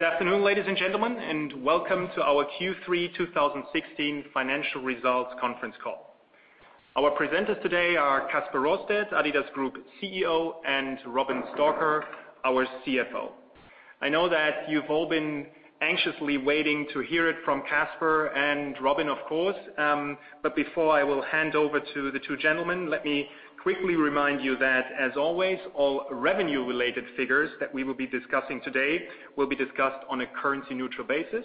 Good afternoon, ladies and gentlemen, and welcome to our Q3 2016 financial results conference call. Our presenters today are Kasper Rorsted, adidas Group CEO, and Robin Stalker, our CFO. I know that you've all been anxiously waiting to hear it from Kasper and Robin, of course. Before I will hand over to the two gentlemen, let me quickly remind you that, as always, all revenue-related figures that we will be discussing today will be discussed on a currency-neutral basis,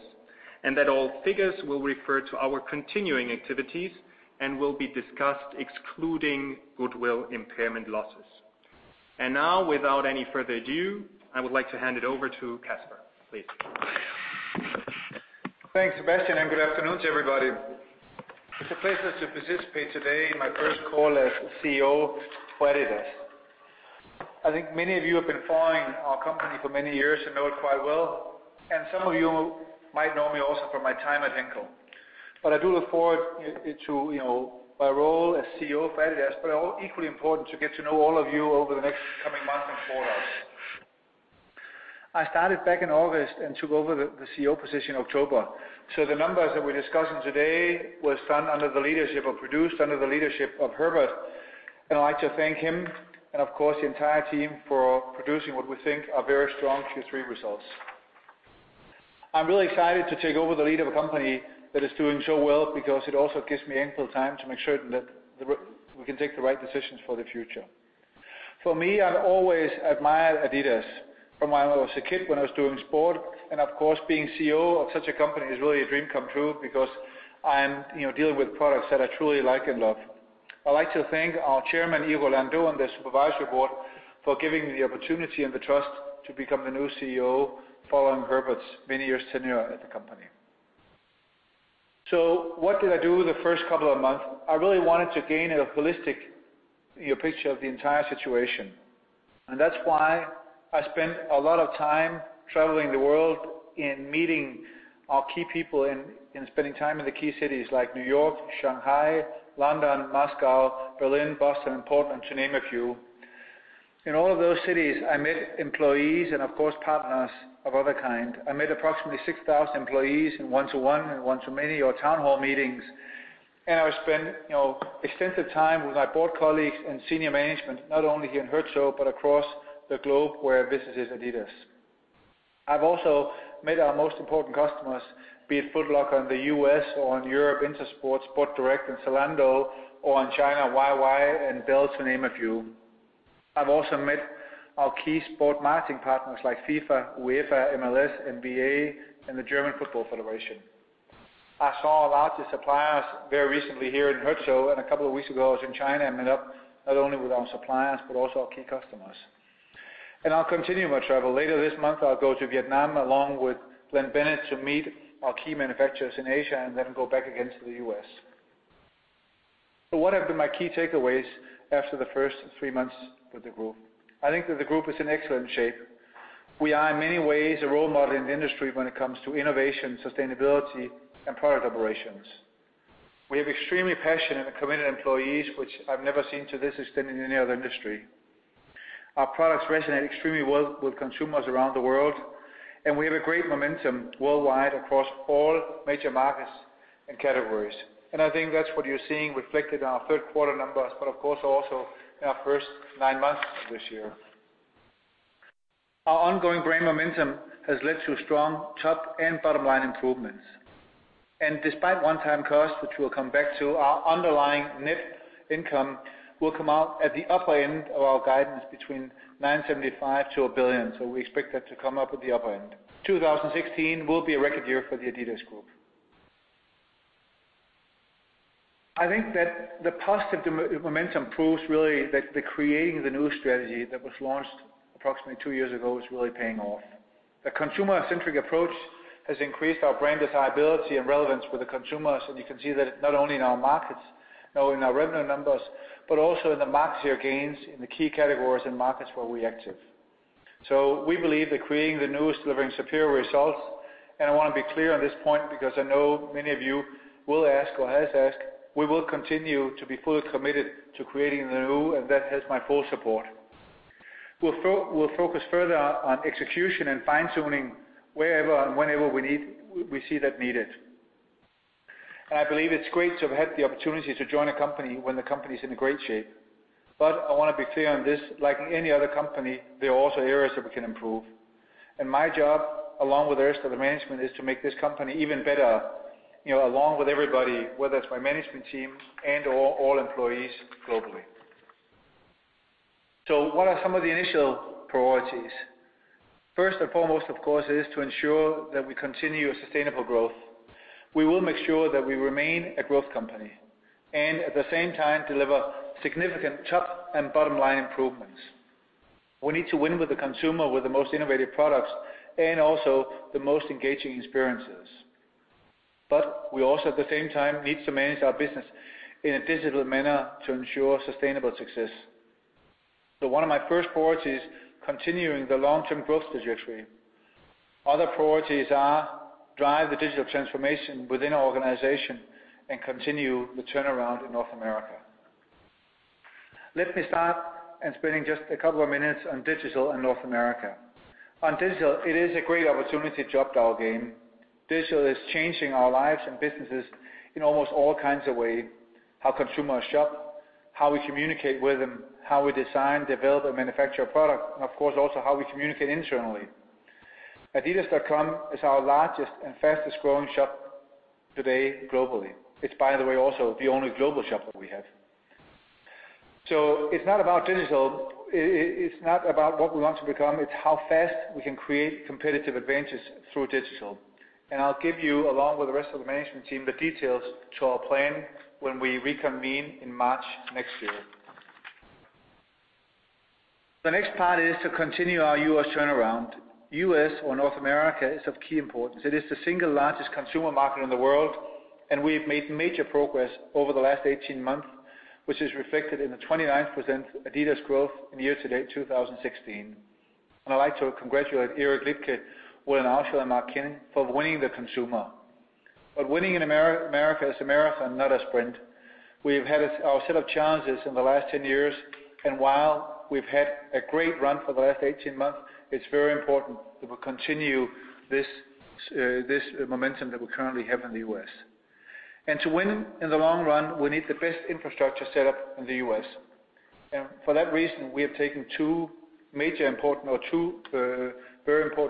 that all figures will refer to our continuing activities and will be discussed excluding goodwill impairment losses. Now, without any further ado, I would like to hand it over to Kasper, please. Thanks, Sebastian. Good afternoon to everybody. It's a pleasure to participate today in my first call as CEO to adidas. I think many of you have been following our company for many years and know it quite well. Some of you might know me also from my time at Henkel. I do look forward to my role as CEO of adidas, equally important, to get to know all of you over the next coming months and quarters. I started back in August and took over the CEO position in October. The numbers that we're discussing today was produced under the leadership of Herbert. I'd like to thank him and, of course, the entire team for producing what we think are very strong Q3 results. I'm really excited to take over the lead of a company that is doing so well because it also gives me ample time to make sure that we can take the right decisions for the future. For me, I've always admired adidas from when I was a kid, when I was doing sport. Of course, being CEO of such a company is really a dream come true because I am dealing with products that I truly like and love. I'd like to thank our chairman, Igor Landau, the Supervisory Board for giving me the opportunity and the trust to become the new CEO following Herbert's many years' tenure at the company. What did I do the first couple of months? I really wanted to gain a holistic picture of the entire situation. That's why I spent a lot of time traveling the world, meeting our key people, spending time in the key cities like New York, Shanghai, London, Moscow, Berlin, Boston, and Portland, to name a few. In all of those cities, I met employees, of course, partners of other kind. I met approximately 6,000 employees in one-to-one and one-to-many or town hall meetings. I spent extensive time with my board colleagues and senior management, not only here in Herzog, but across the globe where I visited adidas. I've also met our most important customers, be it Foot Locker in the U.S. or in Europe, INTERSPORT, Sports Direct, and Zalando, or in China, YY, and Belle, to name a few. I've also met our key sport marketing partners like FIFA, UEFA, MLS, NBA, and the German Football Association. I saw a lot of suppliers very recently here in Herzog, a couple of weeks ago, I was in China and met up not only with our suppliers, but also our key customers. I'll continue my travel. Later this month, I'll go to Vietnam along with Glenn Bennett to meet our key manufacturers in Asia and then go back again to the U.S. What have been my key takeaways after the first three months with the group? I think that the group is in excellent shape. We are, in many ways, a role model in the industry when it comes to innovation, sustainability, and product operations. We have extremely passionate and committed employees, which I've never seen to this extent in any other industry. Our products resonate extremely well with consumers around the world, and we have a great momentum worldwide across all major markets and categories. I think that's what you're seeing reflected in our third quarter numbers, but of course, also in our first nine months of this year. Our ongoing brand momentum has led to strong top and bottom-line improvements. Despite one-time costs, which we'll come back to, our underlying NII income will come out at the upper end of our guidance between 975 million to 1 billion. We expect that to come up at the upper end. 2016 will be a record year for the adidas Group. I think that the positive momentum proves really that the Creating the New strategy that was launched approximately two years ago is really paying off. The consumer-centric approach has increased our brand desirability and relevance with the consumers, you can see that not only in our markets, not only in our revenue numbers, but also in the market share gains in the key categories and markets where we are active. We believe that Creating the New is delivering superior results. I want to be clear on this point because I know many of you will ask or has asked, we will continue to be fully committed to Creating the New, that has my full support. We'll focus further on execution and fine-tuning wherever and whenever we see that needed. I believe it's great to have had the opportunity to join a company when the company's in great shape. I want to be clear on this, like any other company, there are also areas that we can improve. My job, along with the rest of the management, is to make this company even better, along with everybody, whether it's my management team and/or all employees globally. What are some of the initial priorities? First and foremost, of course, is to ensure that we continue a sustainable growth. We will make sure that we remain a growth company, at the same time, deliver significant top and bottom-line improvements. We need to win with the consumer with the most innovative products and also the most engaging experiences. We also, at the same time, need to manage our business in a physical manner to ensure sustainable success. One of my first priorities, continuing the long-term growth trajectory. Other priorities are drive the digital transformation within our organization and continue the turnaround in North America. Let me start in spending just a couple of minutes on digital in North America. On digital, it is a great opportunity job game. Digital is changing our lives and businesses in almost all kinds of way, how consumers shop, how we communicate with them, how we design, develop, and manufacture a product, and of course, also how we communicate internally. adidas.com is our largest and fastest growing shop today globally. It's by the way, also the only global shop that we have. It's not about digital, it's not about what we want to become, it's how fast we can create competitive advantages through digital. I'll give you along with the rest of the management team, the details to our plan when we reconvene in March next year. The next part is to continue our U.S. turnaround. U.S. or North America is of key importance. It is the single largest consumer market in the world, we've made major progress over the last 18 months, which is reflected in the 29% adidas growth in year-to-date 2016. I'd like to congratulate Eric Liedtke with an for winning the consumer. Winning in America is a marathon, not a sprint. We've had our set of challenges in the last 10 years, and while we've had a great run for the last 18 months, it's very important that we continue this momentum that we currently have in the U.S. To win in the long run, we need the best infrastructure set up in the U.S. For that reason, we have taken two very important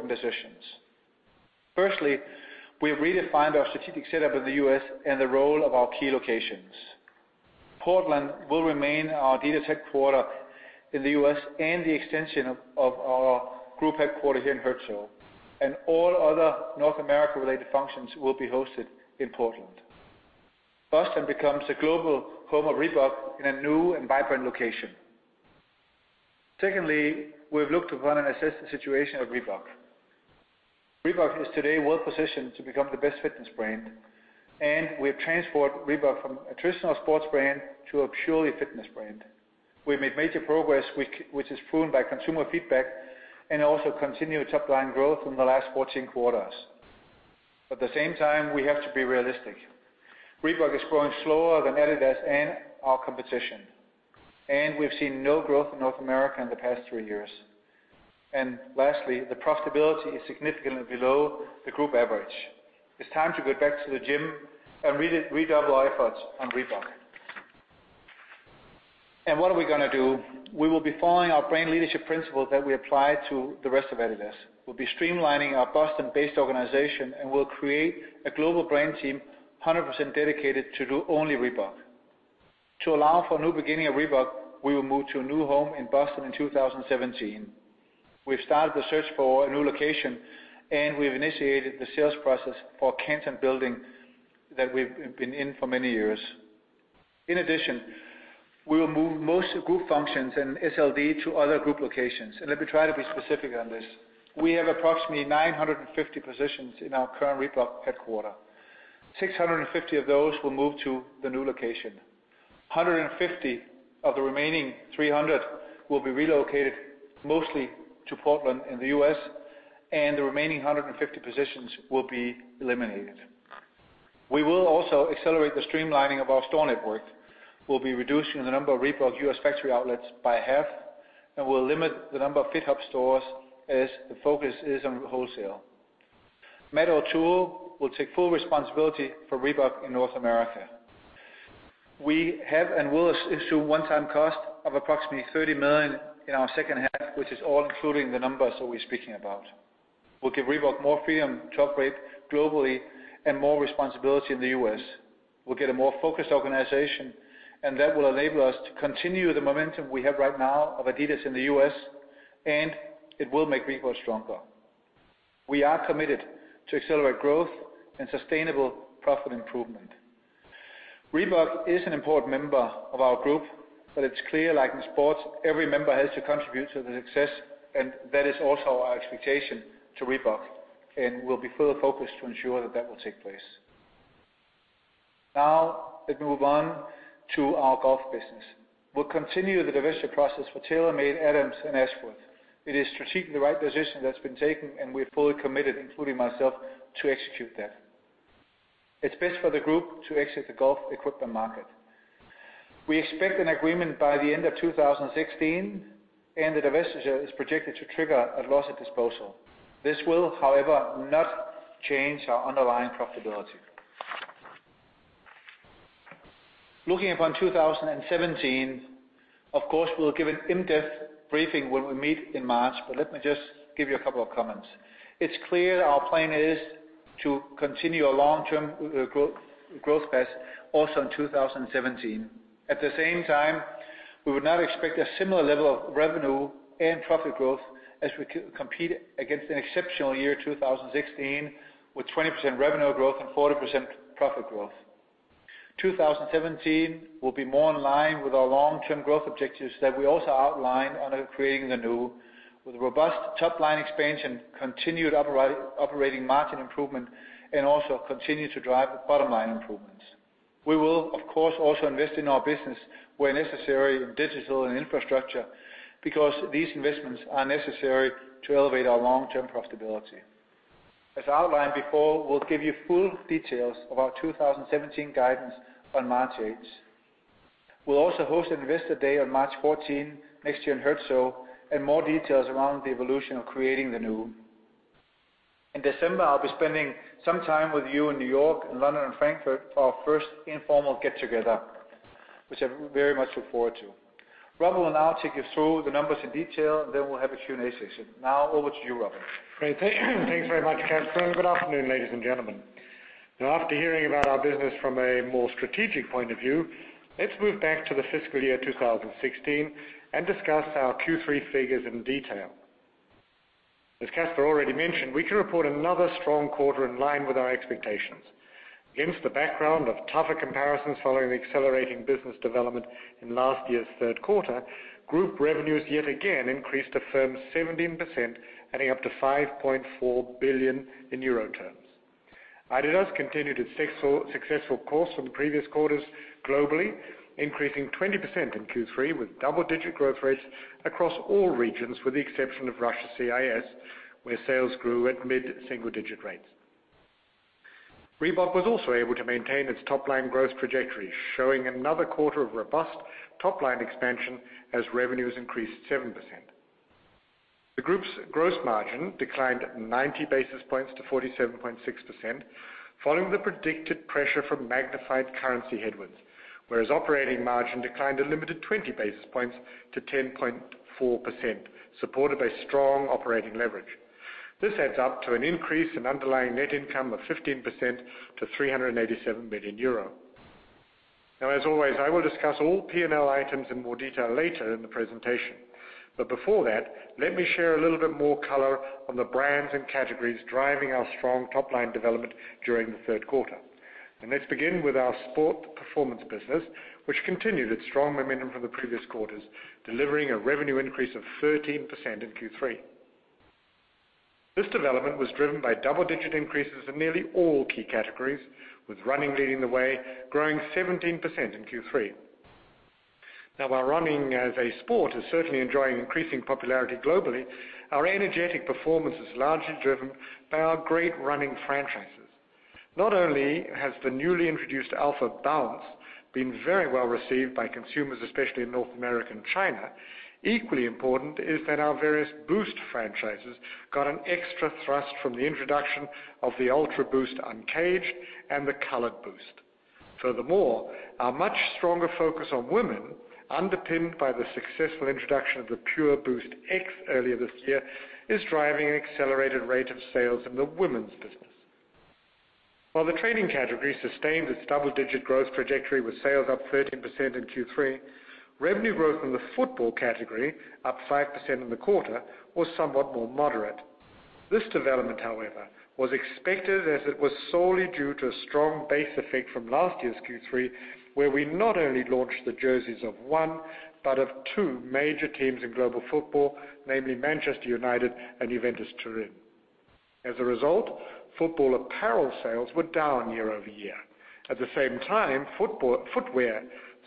decisions. Firstly, we've redefined our strategic setup in the U.S. and the role of our key locations. Portland will remain our data tech quarter in the U.S. and the extension of our group headquarter here in Herzogenaurach. All other North America related functions will be hosted in Portland. Boston becomes a global home of Reebok in a new and vibrant location. Secondly, we've looked upon and assessed the situation of Reebok. Reebok is today well-positioned to become the best fitness brand, and we have transformed Reebok from a traditional sports brand to a purely fitness brand. We've made major progress, which is proven by consumer feedback and also continued top line growth in the last 14 quarters. At the same time, we have to be realistic. Reebok is growing slower than adidas and our competition, and we've seen no growth in North America in the past three years. Lastly, the profitability is significantly below the group average. It's time to get back to the gym and redouble efforts on Reebok. What are we going to do? We'll be following our brand leadership principles that we apply to the rest of adidas. We'll be streamlining our Boston-based organization, we'll create a global brand team 100% dedicated to do only Reebok. To allow for a new beginning of Reebok, we will move to a new home in Boston in 2017. We've started the search for a new location, we've initiated the sales process for Canton Building that we've been in for many years. In addition, we will move most group functions and SLD to other group locations. Let me try to be specific on this. We have approximately 950 positions in our current Reebok headquarter. 650 of those will move to the new location. 150 of the remaining 300 will be relocated mostly to Portland in the U.S., and the remaining 150 positions will be eliminated. We will also accelerate the streamlining of our store network. We'll be reducing the number of Reebok U.S. factory outlets by half, and we'll limit the number of FitHub stores as the focus is on wholesale. Matt O'Toole will take full responsibility for Reebok in North America. We have and will assume one-time cost of approximately 30 million in our second half, which is all including the numbers that we're speaking about. We'll give Reebok more freedom to operate globally and more responsibility in the U.S. We'll get a more focused organization, and that will enable us to continue the momentum we have right now of adidas in the U.S., and it will make Reebok stronger. We are committed to accelerate growth and sustainable profit improvement. Reebok is an important member of our group, but it's clear, like in sports, every member has to contribute to the success, and that is also our expectation to Reebok. We'll be fully focused to ensure that that will take place. Now, let's move on to our golf business. We'll continue the divestiture process for TaylorMade, Adams, and Ashworth. It is strategically the right decision that's been taken, and we're fully committed, including myself, to execute that. It's best for the group to exit the golf equipment market. We expect an agreement by the end of 2016, and the divestiture is projected to trigger a loss of disposal. This will, however, not change our underlying profitability. Looking upon 2017, of course, we'll give an in-depth briefing when we meet in March, but let me just give you a couple of comments. It's clear our plan is to continue a long-term growth path also in 2017. At the same time, we would not expect a similar level of revenue and profit growth as we compete against an exceptional year 2016 with 20% revenue growth and 40% profit growth. 2017 will be more in line with our long-term growth objectives that we also outlined on Creating the New with robust top line expansion, continued operating margin improvement, and also continue to drive bottom line improvements. We will, of course, also invest in our business where necessary in digital and infrastructure because these investments are necessary to elevate our long-term profitability. As outlined before, we'll give you full details of our 2017 guidance on March 8th. We'll also host Investor Day on March 14 next year in Herzog, and more details around the evolution of Creating the New. In December, I'll be spending some time with you in New York and London and Frankfurt for our first informal get-together, which I very much look forward to. Rob will now take you through the numbers in detail, and then we'll have a Q&A session. Now over to you, Rob. Great. Thanks very much, Kasper. Good afternoon, ladies and gentlemen. After hearing about our business from a more strategic point of view, let's move back to the fiscal year 2016 and discuss our Q3 figures in detail. As Kasper already mentioned, we can report another strong quarter in line with our expectations. Against the background of tougher comparisons following accelerating business development in last year's third quarter, group revenues yet again increased a firm 17%, adding up to 5.4 billion euro. adidas continued its successful course from the previous quarters globally, increasing 20% in Q3 with double-digit growth rates across all regions, with the exception of Russia CIS, where sales grew at mid-single digit rates. Reebok was also able to maintain its top-line growth trajectory, showing another quarter of robust top-line expansion as revenues increased 7%. The group's gross margin declined 90 basis points to 47.6%, following the predicted pressure from magnified currency headwinds, whereas operating margin declined a limited 20 basis points to 10.4%, supported by strong operating leverage. This adds up to an increase in underlying net income of 15% to 387 million euro. As always, I will discuss all P&L items in more detail later in the presentation. Before that, let me share a little bit more color on the brands and categories driving our strong top-line development during the third quarter. Let's begin with our sport performance business, which continued its strong momentum from the previous quarters, delivering a revenue increase of 13% in Q3. This development was driven by double-digit increases in nearly all key categories, with running leading the way, growing 17% in Q3. While running as a sport is certainly enjoying increasing popularity globally, our energetic performance is largely driven by our great running franchises. Not only has the newly introduced AlphaBOUNCE been very well received by consumers, especially in North America and China, equally important is that our various Boost franchises got an extra thrust from the introduction of the UltraBOOST Uncaged and the Colored BOOST. Furthermore, our much stronger focus on women, underpinned by the successful introduction of the PureBOOST X earlier this year, is driving an accelerated rate of sales in the women's business. While the training category sustained its double-digit growth trajectory with sales up 13% in Q3, revenue growth in the football category, up 5% in the quarter, was somewhat more moderate. This development, however, was expected as it was solely due to a strong base effect from last year's Q3, where we not only launched the jerseys of one, but of two major teams in global football, namely Manchester United and Juventus Turin. As a result, football apparel sales were down year-over-year. At the same time, footwear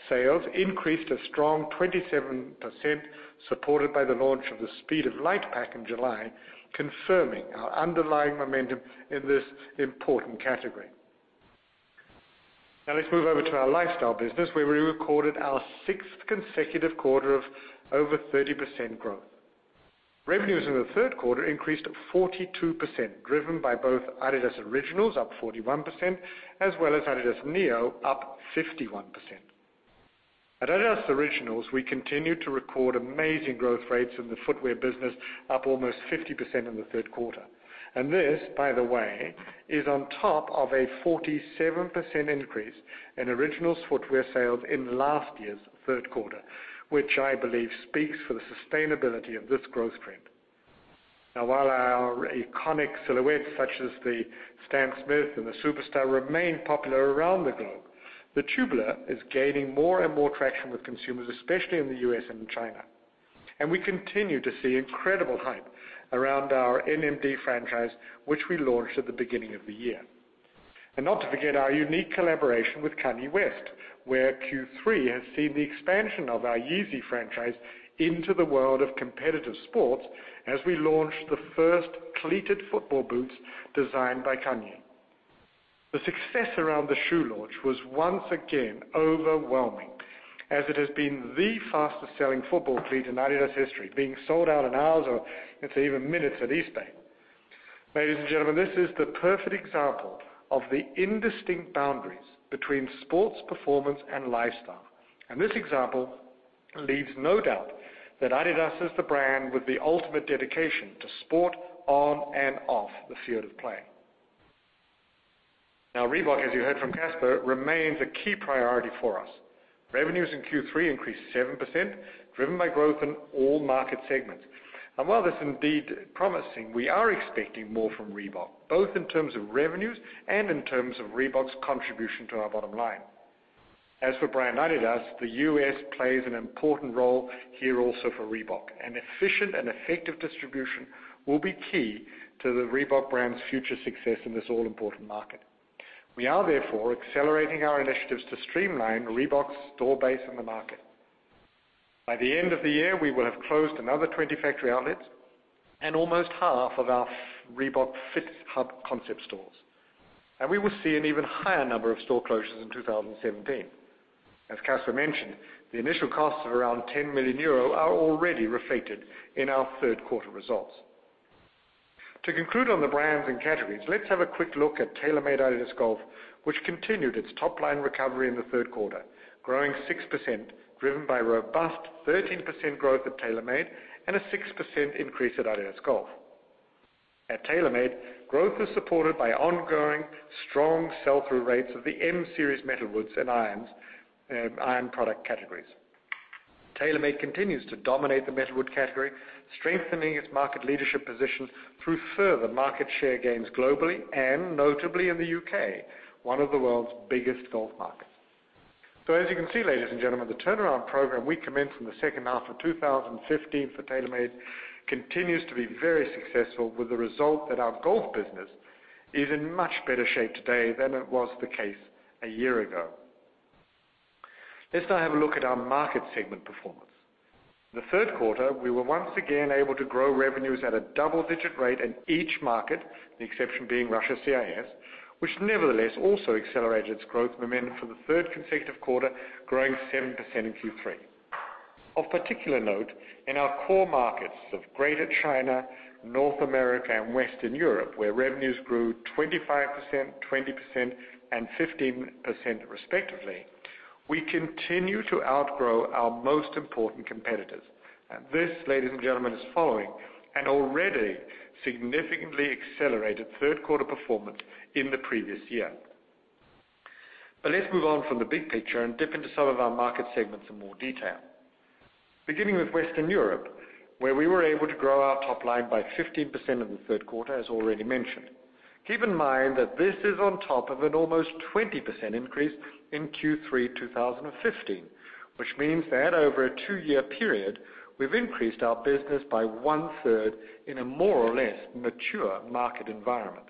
sales increased a strong 27%, supported by the launch of the Speed of Light Pack in July, confirming our underlying momentum in this important category. Let's move over to our lifestyle business, where we recorded our sixth consecutive quarter of over 30% growth. Revenues in the third quarter increased 42%, driven by both adidas Originals, up 41%, as well as adidas NEO, up 51%. At adidas Originals, we continued to record amazing growth rates in the footwear business, up almost 50% in the third quarter. This, by the way, is on top of a 47% increase in Originals footwear sales in last year's third quarter, which I believe speaks for the sustainability of this growth trend. While our iconic silhouettes such as the Stan Smith and the Superstar remain popular around the globe, the Tubular is gaining more and more traction with consumers, especially in the U.S. and China. We continue to see incredible hype around our NMD franchise, which we launched at the beginning of the year. Not to forget our unique collaboration with Kanye West, where Q3 has seen the expansion of our Yeezy franchise into the world of competitive sports as we launched the first cleated football boots designed by Kanye. The success around the shoe launch was once again overwhelming as it has been the fastest-selling football cleat in adidas history, being sold out in hours or even minutes at Eastbay. Ladies and gentlemen, this is the perfect example of the indistinct boundaries between sports performance and lifestyle. This example leaves no doubt that adidas is the brand with the ultimate dedication to sport on and off the field of play. Reebok, as you heard from Kasper, remains a key priority for us. Revenues in Q3 increased 7%, driven by growth in all market segments. While it's indeed promising, we are expecting more from Reebok, both in terms of revenues and in terms of Reebok's contribution to our bottom line. As for brand adidas, the U.S. plays an important role here also for Reebok. An efficient and effective distribution will be key to the Reebok brand's future success in this all-important market. We are, therefore, accelerating our initiatives to streamline Reebok's store base in the market. By the end of the year, we will have closed another 20 factory outlets and almost half of our Reebok FitHub concept stores. We will see an even higher number of store closures in 2017. As Kasper mentioned, the initial costs of around 10 million euro are already reflected in our third quarter results. To conclude on the brands and categories, let's have a quick look at TaylorMade-adidas Golf, which continued its top-line recovery in the third quarter, growing 6%, driven by robust 13% growth at TaylorMade and a 6% increase at adidas Golf. At TaylorMade, growth was supported by ongoing strong sell-through rates of the M series metalwoods and iron product categories. TaylorMade continues to dominate the metalwood category, strengthening its market leadership position through further market share gains globally and notably in the U.K., one of the world's biggest golf markets. As you can see, ladies and gentlemen, the turnaround program we commenced in the second half of 2015 for TaylorMade continues to be very successful with the result that our golf business is in much better shape today than it was the case a year ago. Let's now have a look at our market segment performance. In the third quarter, we were once again able to grow revenues at a double-digit rate in each market, the exception being Russia CIS, which nevertheless also accelerated its growth momentum for the third consecutive quarter, growing 7% in Q3. Of particular note, in our core markets of Greater China, North America, and Western Europe, where revenues grew 25%, 20%, and 15% respectively, we continue to outgrow our most important competitors. This, ladies and gentlemen, is following an already significantly accelerated third quarter performance in the previous year. Let's move on from the big picture and dip into some of our market segments in more detail. Beginning with Western Europe, where we were able to grow our top line by 15% in the third quarter, as already mentioned. Keep in mind that this is on top of an almost 20% increase in Q3 2015, which means that over a two-year period, we've increased our business by one-third in a more or less mature market environment.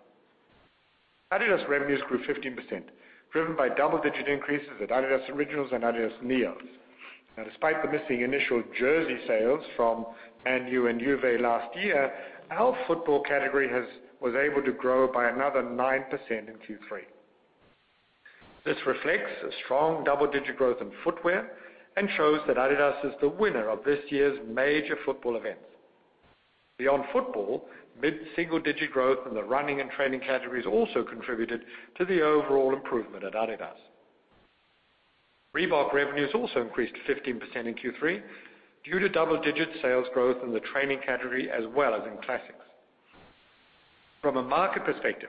adidas revenues grew 15%, driven by double-digit increases at adidas Originals and adidas NEO. Despite the missing initial jersey sales from ManU and Juve last year, our football category was able to grow by another 9% in Q3. This reflects a strong double-digit growth in footwear and shows that adidas is the winner of this year's major football events. Beyond football, mid-single-digit growth in the running and training categories also contributed to the overall improvement at adidas. Reebok revenues also increased 15% in Q3 due to double-digit sales growth in the training category, as well as in classics. From a market perspective,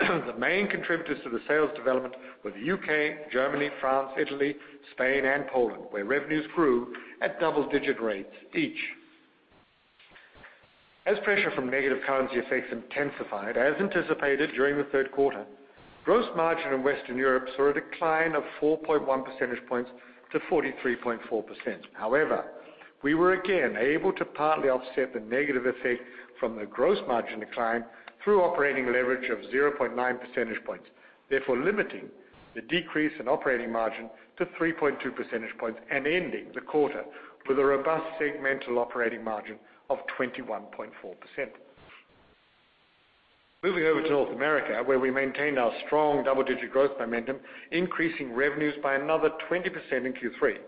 the main contributors to the sales development were the U.K., Germany, France, Italy, Spain, and Poland, where revenues grew at double-digit rates each. As pressure from negative currency effects intensified, as anticipated during the third quarter, gross margin in Western Europe saw a decline of 4.1 percentage points to 43.4%. We were again able to partly offset the negative effect from the gross margin decline through operating leverage of 0.9 percentage points, therefore limiting the decrease in operating margin to 3.2 percentage points and ending the quarter with a robust segmental operating margin of 21.4%. Moving over to North America, where we maintained our strong double-digit growth momentum, increasing revenues by another 20% in Q3.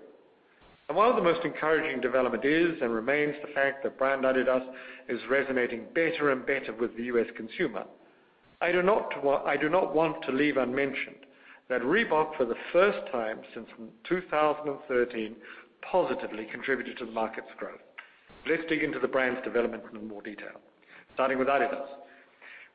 While the most encouraging development is and remains the fact that brand adidas is resonating better and better with the U.S. consumer, I do not want to leave unmentioned that Reebok, for the first time since 2013, positively contributed to the market's growth. Let's dig into the brand's development in more detail. Starting with adidas,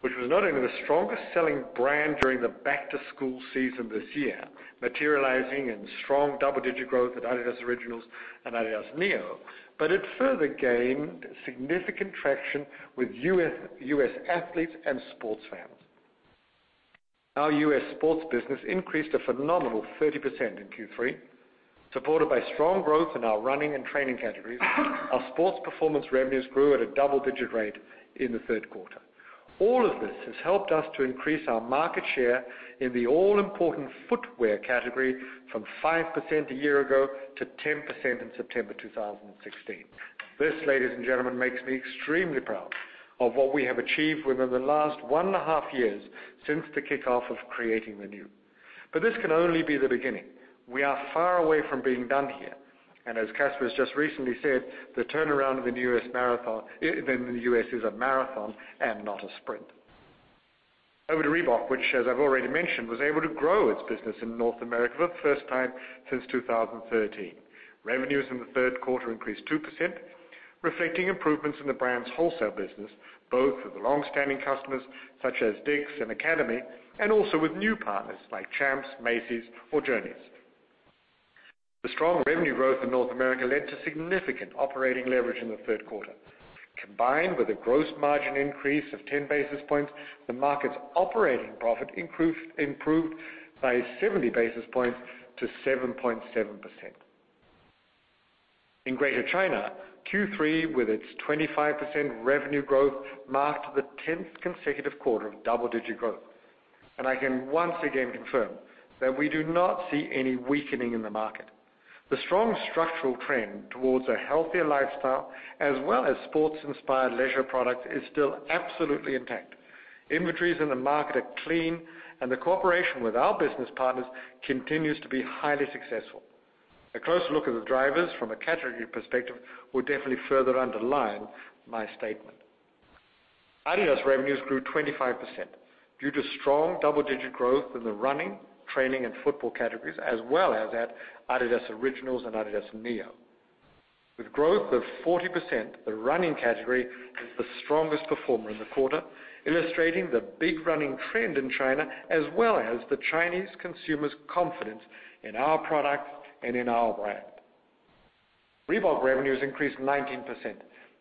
which was not only the strongest-selling brand during the back-to-school season this year, materializing in strong double-digit growth at adidas Originals and adidas NEO, but it further gained significant traction with U.S. athletes and sports fans. Our U.S. sports business increased a phenomenal 30% in Q3. Supported by strong growth in our running and training categories, our sports performance revenues grew at a double-digit rate in the third quarter. All of this has helped us to increase our market share in the all-important footwear category from 5% a year ago to 10% in September 2016. This, ladies and gentlemen, makes me extremely proud of what we have achieved within the last one and a half years since the kickoff of Creating the New. This can only be the beginning. As Kasper has just recently said, the turnaround in the U.S. is a marathon and not a sprint. Over to Reebok, which, as I've already mentioned, was able to grow its business in North America for the first time since 2013. Revenues in the third quarter increased 2%, reflecting improvements in the brand's wholesale business, both with long-standing customers such as DICK'S and Academy, and also with new partners like Champs, Macy's, or Journeys. The strong revenue growth in North America led to significant operating leverage in the third quarter. Combined with a gross margin increase of 10 basis points, the market's operating profit improved by 70 basis points to 7.7%. In Greater China, Q3, with its 25% revenue growth, marked the 10th consecutive quarter of double-digit growth. I can once again confirm that we do not see any weakening in the market. The strong structural trend towards a healthier lifestyle, as well as sports-inspired leisure products, is still absolutely intact. Inventories in the market are clean, and the cooperation with our business partners continues to be highly successful. A close look at the drivers from a category perspective will definitely further underline my statement. adidas revenues grew 25% due to strong double-digit growth in the running, training, and football categories, as well as at adidas Originals and adidas NEO. With growth of 40%, the running category is the strongest performer in the quarter, illustrating the big running trend in China, as well as the Chinese consumer's confidence in our product and in our brand. Reebok revenues increased 19%,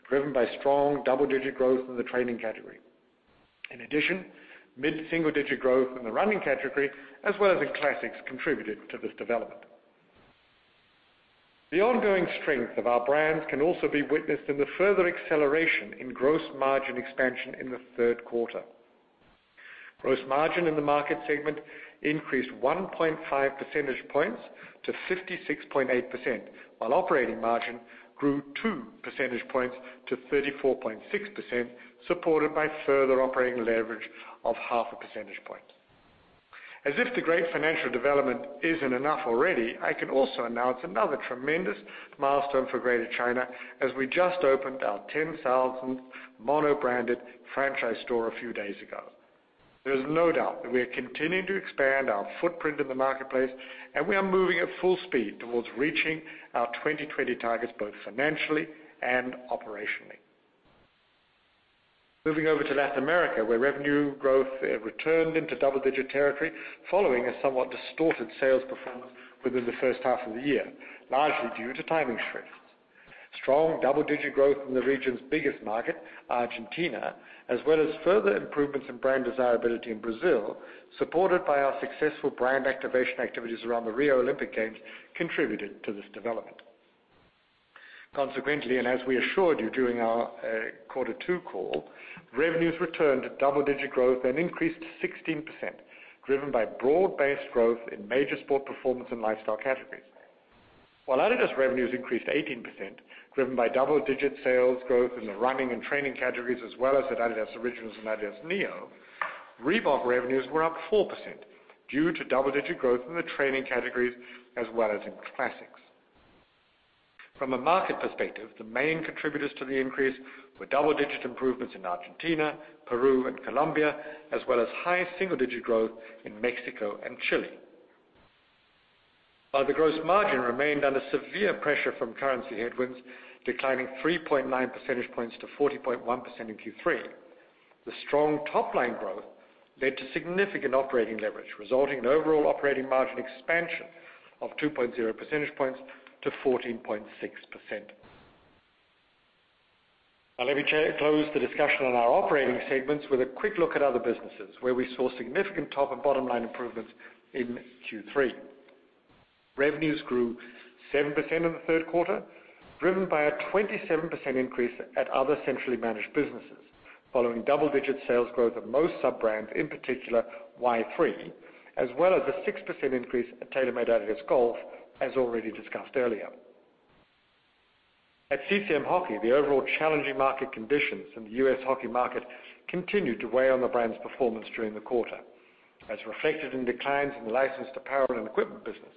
driven by strong double-digit growth in the training category. In addition, mid-single-digit growth in the running category, as well as in classics, contributed to this development. The ongoing strength of our brands can also be witnessed in the further acceleration in gross margin expansion in the third quarter. Gross margin in the market segment increased 1.5 percentage points to 56.8%, while operating margin grew two percentage points to 34.6%, supported by further operating leverage of half a percentage point. As if the great financial development isn't enough already, I can also announce another tremendous milestone for Greater China as we just opened our 10,000th mono-branded franchise store a few days ago. There is no doubt that we are continuing to expand our footprint in the marketplace, and we are moving at full speed towards reaching our 2020 targets, both financially and operationally. Moving over to Latin America, where revenue growth returned into double-digit territory following a somewhat distorted sales performance within the first half of the year, largely due to timing shifts. Strong double-digit growth in the region's biggest market, Argentina, as well as further improvements in brand desirability in Brazil, supported by our successful brand activation activities around the Rio Olympic Games, contributed to this development. Consequently, as we assured you during our Quarter 2 call, revenues returned to double-digit growth and increased 16%, driven by broad-based growth in major sport performance and lifestyle categories. While adidas revenues increased 18%, driven by double-digit sales growth in the running and training categories as well as at adidas Originals and adidas NEO, Reebok revenues were up 4% due to double-digit growth in the training categories as well as in classics. From a market perspective, the main contributors to the increase were double-digit improvements in Argentina, Peru, and Colombia, as well as high single-digit growth in Mexico and Chile. While the gross margin remained under severe pressure from currency headwinds, declining 3.9 percentage points to 40.1% in Q3, the strong top-line growth led to significant operating leverage, resulting in overall operating margin expansion of 2.0 percentage points to 14.6%. Let me close the discussion on our operating segments with a quick look at other businesses, where we saw significant top and bottom-line improvements in Q3. Revenues grew 7% in the third quarter, driven by a 27% increase at other centrally managed businesses, following double-digit sales growth of most sub-brands, in particular Y-3, as well as a 6% increase at TaylorMade-adidas Golf, as already discussed earlier. At CCM Hockey, the overall challenging market conditions in the U.S. hockey market continued to weigh on the brand's performance during the quarter, as reflected in declines in the licensed apparel and equipment business.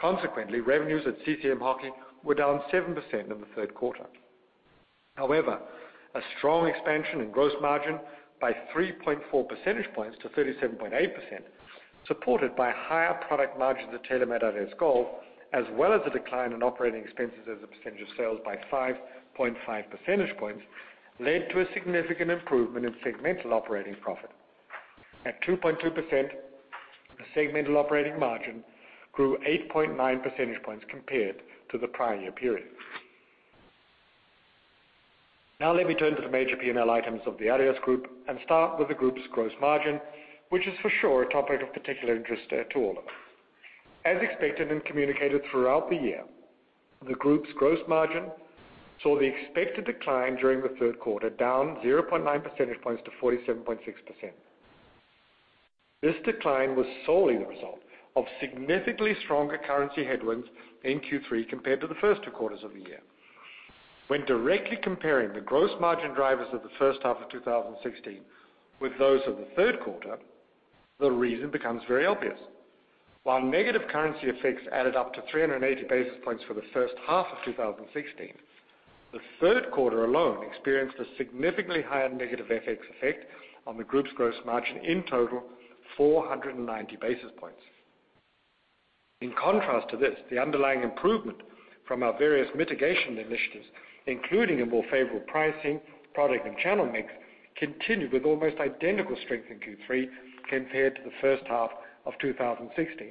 Consequently, revenues at CCM Hockey were down 7% in the third quarter. However, a strong expansion in gross margin by 3.4 percentage points to 37.8%, supported by higher product margins at TaylorMade-adidas Golf, as well as a decline in operating expenses as a percentage of sales by 5.5 percentage points, led to a significant improvement in segmental operating profit. At 2.2%, the segmental operating margin grew 8.9 percentage points compared to the prior year period. Let me turn to the major P&L items of the adidas Group and start with the group's gross margin, which is for sure a topic of particular interest to all of us. As expected and communicated throughout the year, the group's gross margin saw the expected decline during the third quarter, down 0.9 percentage points to 47.6%. This decline was solely the result of significantly stronger currency headwinds in Q3 compared to the first two quarters of the year. When directly comparing the gross margin drivers of the first half of 2016 with those of the third quarter, the reason becomes very obvious. While negative currency effects added up to 380 basis points for the first half of 2016, the third quarter alone experienced a significantly higher negative FX effect on the group's gross margin. In total, 490 basis points. In contrast to this, the underlying improvement from our various mitigation initiatives, including a more favorable pricing, product, and channel mix, continued with almost identical strength in Q3 compared to the first half of 2016.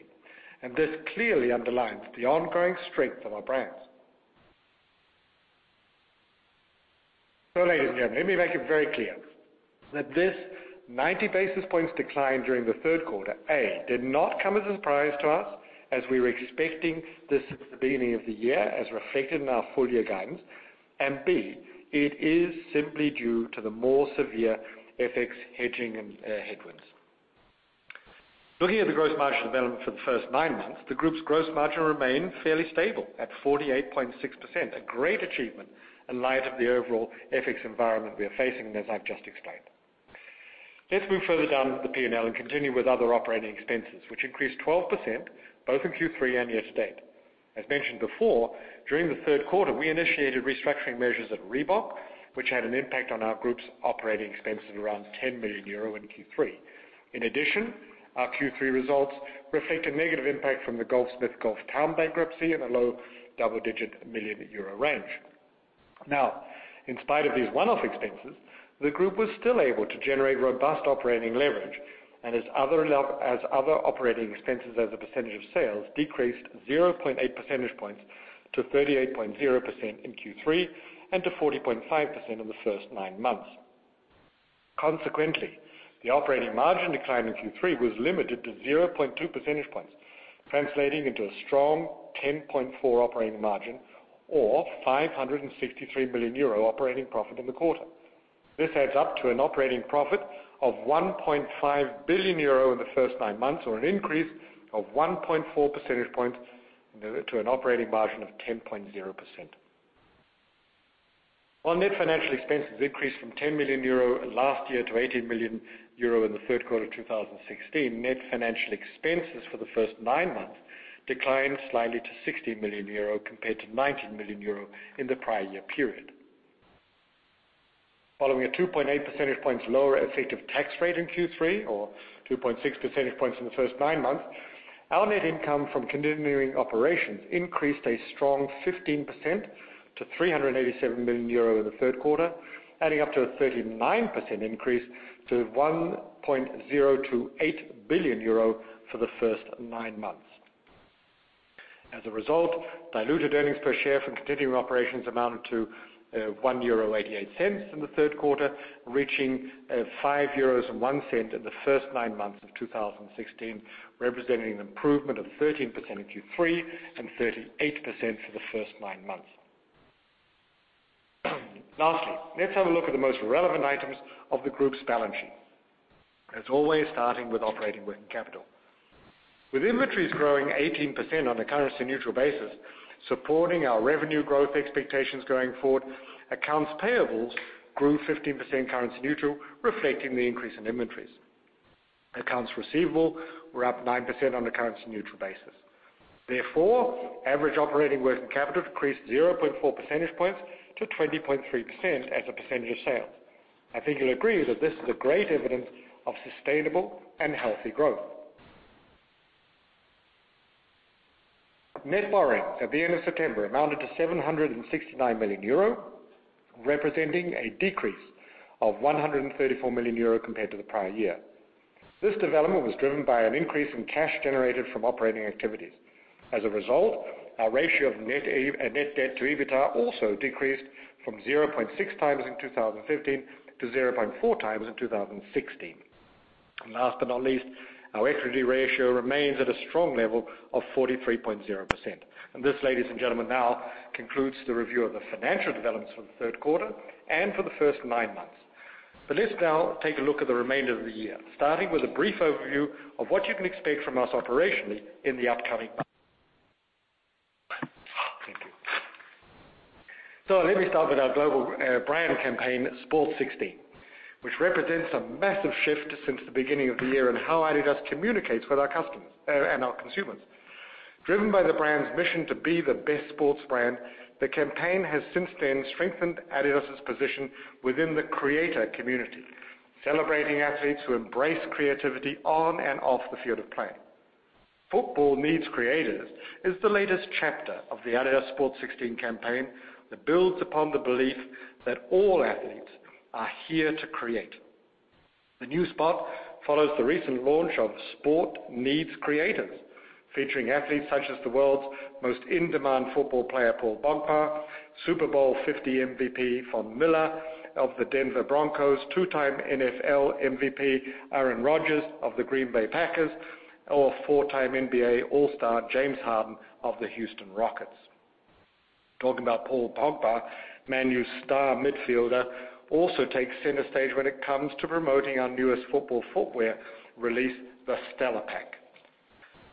This clearly underlines the ongoing strength of our brands. Ladies and gentlemen, let me make it very clear that this 90-basis points decline during the third quarter, A, did not come as a surprise to us, as we were expecting this since the beginning of the year, as reflected in our full-year guidance. B, it is simply due to the more severe FX hedging and headwinds. Looking at the gross margin development for the first nine months, the group's gross margin remained fairly stable at 48.6%, a great achievement in light of the overall FX environment we are facing, and as I've just explained. Let's move further down the P&L and continue with other operating expenses, which increased 12% both in Q3 and year-to-date. As mentioned before, during the third quarter, we initiated restructuring measures at Reebok, which had an impact on our group's operating expenses around 10 million euro in Q3. In addition, our Q3 results reflect a negative impact from the Golfsmith/Golf Town bankruptcy in a low double-digit million EUR range. In spite of these one-off expenses, the group was still able to generate robust operating leverage and as other operating expenses as a percentage of sales decreased 0.8 percentage points to 38.0% in Q3 and to 40.5% in the first nine months. The operating margin decline in Q3 was limited to 0.2 percentage points, translating into a strong 10.4% operating margin or 563 million euro operating profit in the quarter. This adds up to an operating profit of 1.5 billion euro in the first nine months, or an increase of 1.4 percentage points to an operating margin of 10.0%. Net financial expenses increased from 10 million euro last year to 18 million euro in the third quarter of 2016, net financial expenses for the first nine months declined slightly to 60 million euro compared to 19 million euro in the prior year period. Following a 2.8 percentage points lower effective tax rate in Q3 or 2.6 percentage points in the first nine months, our net income from continuing operations increased a strong 15% to 387 million euro in the third quarter, adding up to a 39% increase to 1.028 billion euro for the first nine months. Diluted earnings per share from continuing operations amounted to 1.88 euro in the third quarter, reaching 5.01 euros in the first nine months of 2016, representing an improvement of 13% in Q3 and 38% for the first nine months. Let's have a look at the most relevant items of the group's balance sheet. As always, starting with operating working capital. With inventories growing 18% on a currency-neutral basis, supporting our revenue growth expectations going forward, accounts payables grew 15% currency neutral, reflecting the increase in inventories. Accounts receivable were up nine percent on a currency neutral basis. Average operating working capital decreased 0.4 percentage points to 20.3% as a percentage of sales. I think you'll agree that this is a great evidence of sustainable and healthy growth. Net borrowing at the end of September amounted to 769 million euro, representing a decrease of 134 million euro compared to the prior year. This development was driven by an increase in cash generated from operating activities. Our ratio of net debt to EBITDA also decreased from 0.6 times in 2015 to 0.4 times in 2016. Last but not least, our equity ratio remains at a strong level of 43.0%. This, ladies and gentlemen, now concludes the review of the financial developments for the third quarter and for the first nine months. Let's now take a look at the remainder of the year, starting with a brief overview of what you can expect from us operationally in the upcoming . Thank you. Let me start with our global brand campaign, Sport 16, which represents a massive shift since the beginning of the year in how adidas communicates with our customers and our consumers. Driven by the brand's mission to be the best sports brand, the campaign has since then strengthened adidas' position within the creator community, celebrating athletes who embrace creativity on and off the field of play. Football Needs Creators is the latest chapter of the adidas Sport 16 campaign that builds upon the belief that all athletes are here to create. The new spot follows the recent launch of Sport Needs Creators, featuring athletes such as the world's most in-demand football player, Paul Pogba, Super Bowl 50 MVP Von Miller of the Denver Broncos, two-time NFL MVP Aaron Rodgers of the Green Bay Packers, or four-time NBA All-Star James Harden of the Houston Rockets. Talking about Paul Pogba, Man U's star midfielder also takes center stage when it comes to promoting our newest football footwear release, the Stellar Pack.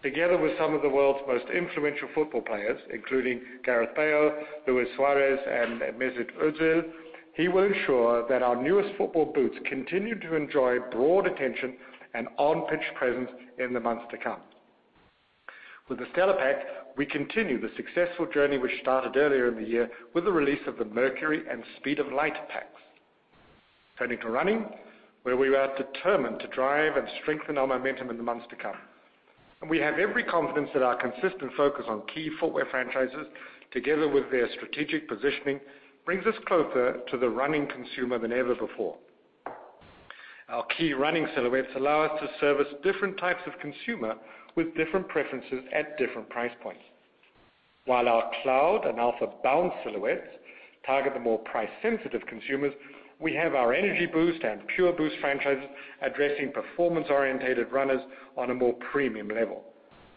Together with some of the world's most influential football players, including Gareth Bale, Luis Suárez, and Mesut Özil, he will ensure that our newest football boots continue to enjoy broad attention and on-pitch presence in the months to come. With the Mercury and Speed of Light packs, we continue the successful journey which started earlier in the year with the release. Turning to running, where we are determined to drive and strengthen our momentum in the months to come. We have every confidence that our consistent focus on key footwear franchises, together with their strategic positioning, brings us closer to the running consumer than ever before. Our key running silhouettes allow us to service different types of consumer with different preferences at different price points. While our Cloudfoam and AlphaBOUNCE silhouettes target the more price-sensitive consumers, we have our Energy Boost and Pure Boost franchises addressing performance-orientated runners on a more premium level.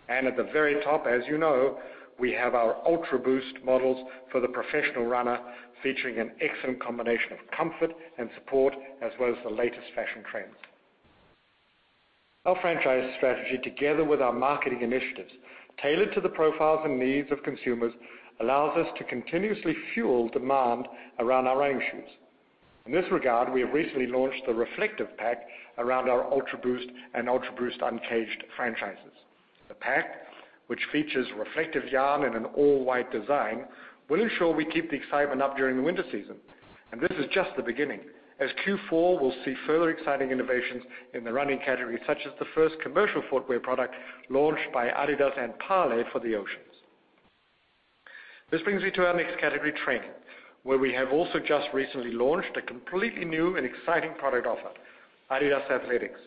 At the very top, as you know, we have our Ultraboost models for the professional runner, featuring an excellent combination of comfort and support, as well as the latest fashion trends. Our franchise strategy, together with our marketing initiatives, tailored to the profiles and needs of consumers, allows us to continuously fuel demand around our running shoes. In this regard, we have recently launched the reflective pack around our Ultraboost and UltraBOOST Uncaged franchises. The pack, which features reflective yarn in an all-white design, will ensure we keep the excitement up during the winter season. This is just the beginning, as Q4 will see further exciting innovations in the running category, such as the first commercial footwear product launched by adidas and Parley for the Oceans. This brings me to our next category, training, where we have also just recently launched a completely new and exciting product offer, adidas Athletics,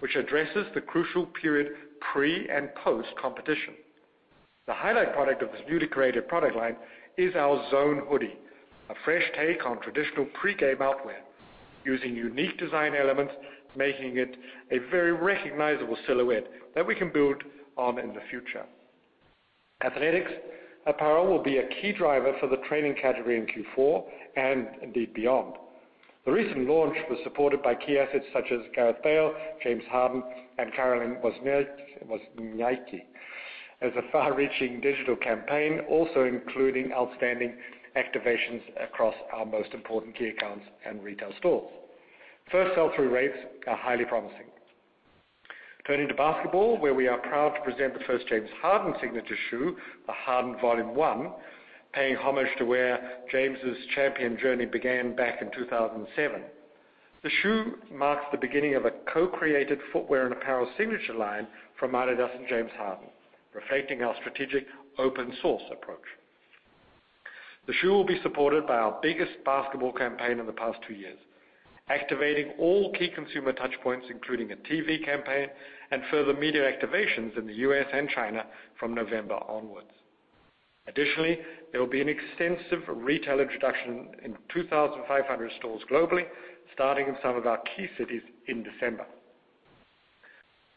which addresses the crucial period pre- and post-competition. The highlight product of this newly created product line is our Z.N.E. hoodie, a fresh take on traditional pre-game outwear, using unique design elements, making it a very recognizable silhouette that we can build on in the future. Athletics apparel will be a key driver for the training category in Q4 and indeed beyond. The recent launch was supported by key assets such as Gareth Bale, James Harden, and Caroline Wozniacki, as a far-reaching digital campaign also including outstanding activations across our most important key accounts and retail stores. First sell-through rates are highly promising. Turning to basketball, where we are proud to present the first James Harden signature shoe, the Harden Vol. 1, paying homage to where James' champion journey began back in 2007. The shoe marks the beginning of a co-created footwear and apparel signature line from adidas and James Harden, reflecting our strategic open-source approach. The shoe will be supported by our biggest basketball campaign in the past two years, activating all key consumer touch points, including a TV campaign and further media activations in the U.S. and China from November onwards. Additionally, there will be an extensive retail introduction in 2,500 stores globally, starting in some of our key cities in December.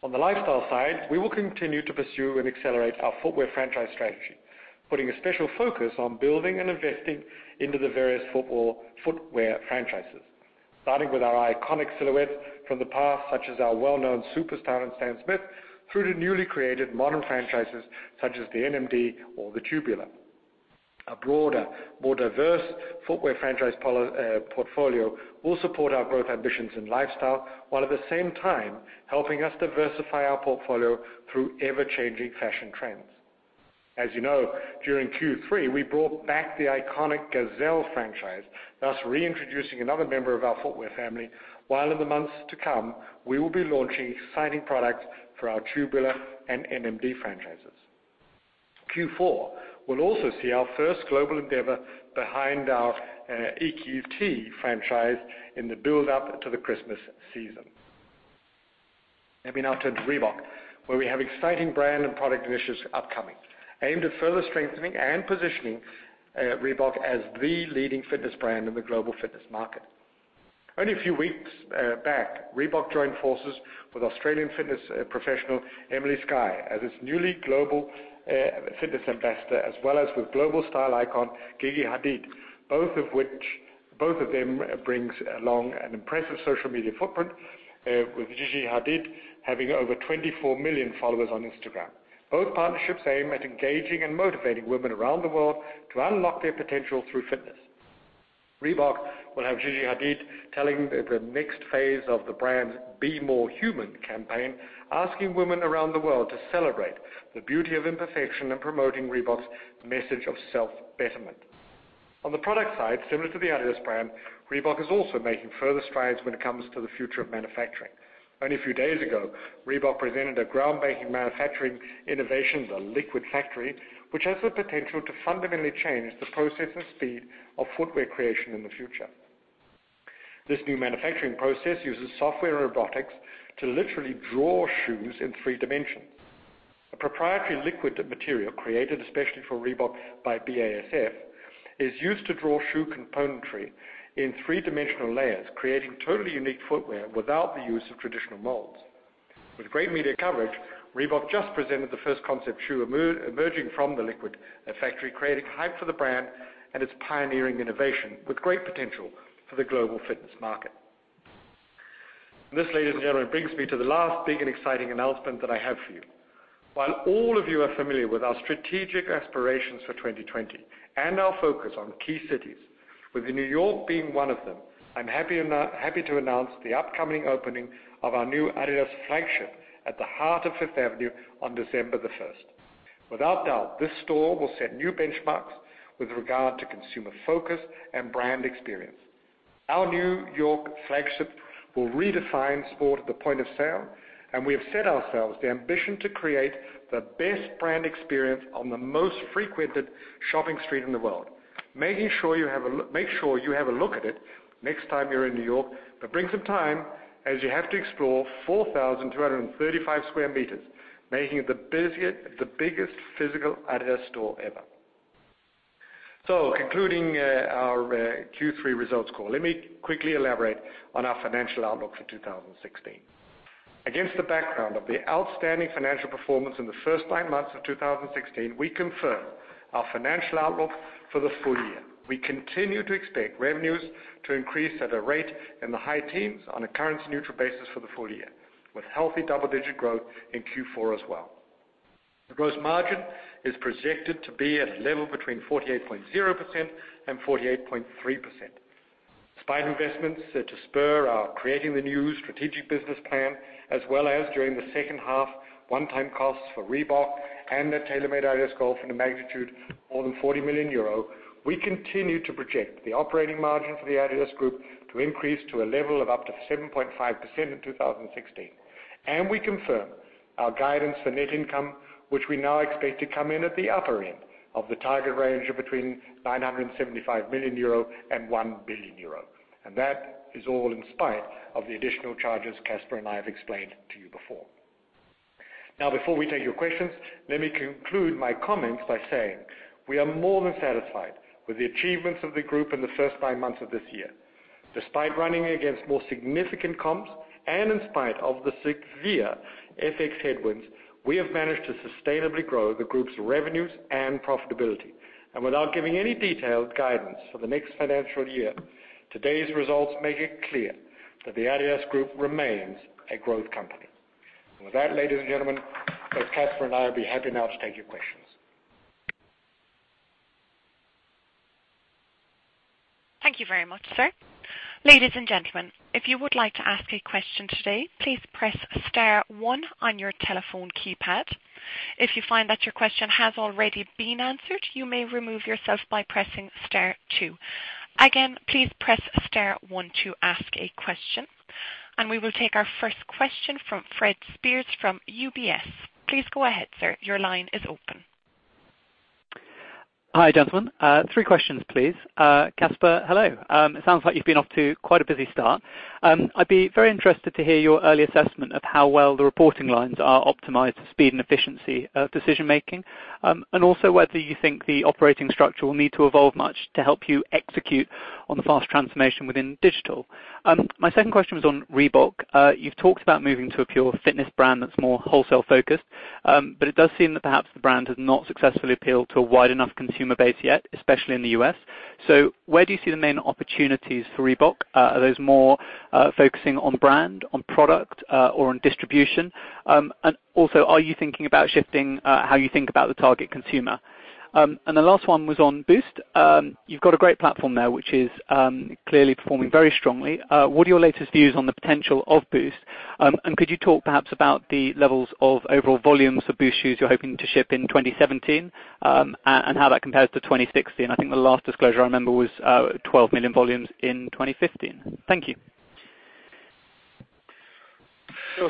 On the lifestyle side, we will continue to pursue and accelerate our footwear franchise strategy, putting a special focus on building and investing into the various footwear franchises, starting with our iconic silhouette from the past, such as our well-known Superstar and Stan Smith, through to newly created modern franchises such as the NMD or the Tubular. A broader, more diverse footwear franchise portfolio will support our growth ambitions in lifestyle, while at the same time helping us diversify our portfolio through ever-changing fashion trends. As you know, during Q3, we brought back the iconic Gazelle franchise, thus reintroducing another member of our footwear family, while in the months to come, we will be launching exciting products for our Tubular and NMD franchises. Q4 will also see our first global endeavor behind our EQT franchise in the buildup to the Christmas season. Let me now turn to Reebok, where we have exciting brand and product initiatives upcoming, aimed at further strengthening and positioning Reebok as the leading fitness brand in the global fitness market. Only a few weeks back, Reebok joined forces with Australian fitness professional Emily Skye as its newly global fitness ambassador, as well as with global style icon Gigi Hadid, both of them brings along an impressive social media footprint, with Gigi Hadid having over 24 million followers on Instagram. Both partnerships aim at engaging and motivating women around the world to unlock their potential through fitness. Reebok will have Gigi Hadid telling the next phase of the brand's Be More Human campaign, asking women around the world to celebrate the beauty of imperfection and promoting Reebok's message of self-betterment. On the product side, similar to the adidas brand, Reebok is also making further strides when it comes to the future of manufacturing. Only a few days ago, Reebok presented a groundbreaking manufacturing innovation, the Liquid Factory, which has the potential to fundamentally change the process and speed of footwear creation in the future. This new manufacturing process uses software and robotics to literally draw shoes in three dimensions. A proprietary liquid material created especially for Reebok by BASF is used to draw shoe componentry in three-dimensional layers, creating totally unique footwear without the use of traditional molds. With great media coverage, Reebok just presented the first concept shoe emerging from the Liquid Factory, creating hype for the brand and its pioneering innovation with great potential for the global fitness market. This, ladies and gentlemen, brings me to the last big and exciting announcement that I have for you. While all of you are familiar with our strategic aspirations for 2020 and our focus on key cities, with New York being one of them, I am happy to announce the upcoming opening of our new adidas flagship at the heart of Fifth Avenue on December 1st. Without doubt, this store will set new benchmarks with regard to consumer focus and brand experience. Our New York flagship will redefine sport at the point of sale, and we have set ourselves the ambition to create the best brand experience on the most frequented shopping street in the world. Make sure you have a look at it next time you are in New York, but bring some time, as you have to explore 4,235 sq m, making it the biggest physical adidas store ever. Concluding our Q3 results call, let me quickly elaborate on our financial outlook for 2016. Against the background of the outstanding financial performance in the first nine months of 2016, we confirm our financial outlook for the full year. We continue to expect revenues to increase at a rate in the high teens on a currency-neutral basis for the full year, with healthy double-digit growth in Q4 as well. The gross margin is projected to be at a level between 48.0%-48.3%. Despite investments set to spur our Creating the New strategic business plan, as well as during the second half, one-time costs for Reebok and the TaylorMade-adidas Golf in a magnitude more than 40 million euro, we continue to project the operating margin for the adidas Group to increase to a level of up to 7.5% in 2016. We confirm our guidance for net income, which we now expect to come in at the upper end of the target range of between 975 million euro and 1 billion euro. That is all in spite of the additional charges Kasper and I have explained to you before. Before we take your questions, let me conclude my comments by saying we are more than satisfied with the achievements of the group in the first nine months of this year. Despite running against more significant comps and in spite of the severe FX headwinds, we have managed to sustainably grow the group's revenues and profitability. Without giving any detailed guidance for the next financial year, today's results make it clear that the adidas Group remains a growth company. With that, ladies and gentlemen, both Kasper and I will be happy now to take your questions. Thank you very much, sir. Ladies and gentlemen, if you would like to ask a question today, please press star one on your telephone keypad. If you find that your question has already been answered, you may remove yourself by pressing star two. Again, please press star one to ask a question, and we will take our first question from Fred Speirs from UBS. Please go ahead, sir. Your line is open. Hi, gentlemen. Three questions, please. Kasper, hello. It sounds like you've been off to quite a busy start. I'd be very interested to hear your early assessment of how well the reporting lines are optimized for speed and efficiency of decision-making, and also whether you think the operating structure will need to evolve much to help you execute on the fast transformation within digital. My second question was on Reebok. You've talked about moving to a pure fitness brand that's more wholesale-focused. It does seem that perhaps the brand has not successfully appealed to a wide enough consumer base yet, especially in the U.S. Where do you see the main opportunities for Reebok? Are those more focusing on brand, on product, or on distribution? Also, are you thinking about shifting how you think about the target consumer? The last one was on Boost. You've got a great platform there, which is clearly performing very strongly. What are your latest views on the potential of Boost? Could you talk perhaps about the levels of overall volumes of Boost shoes you're hoping to ship in 2017, and how that compares to 2016? I think the last disclosure I remember was 12 million volumes in 2015. Thank you.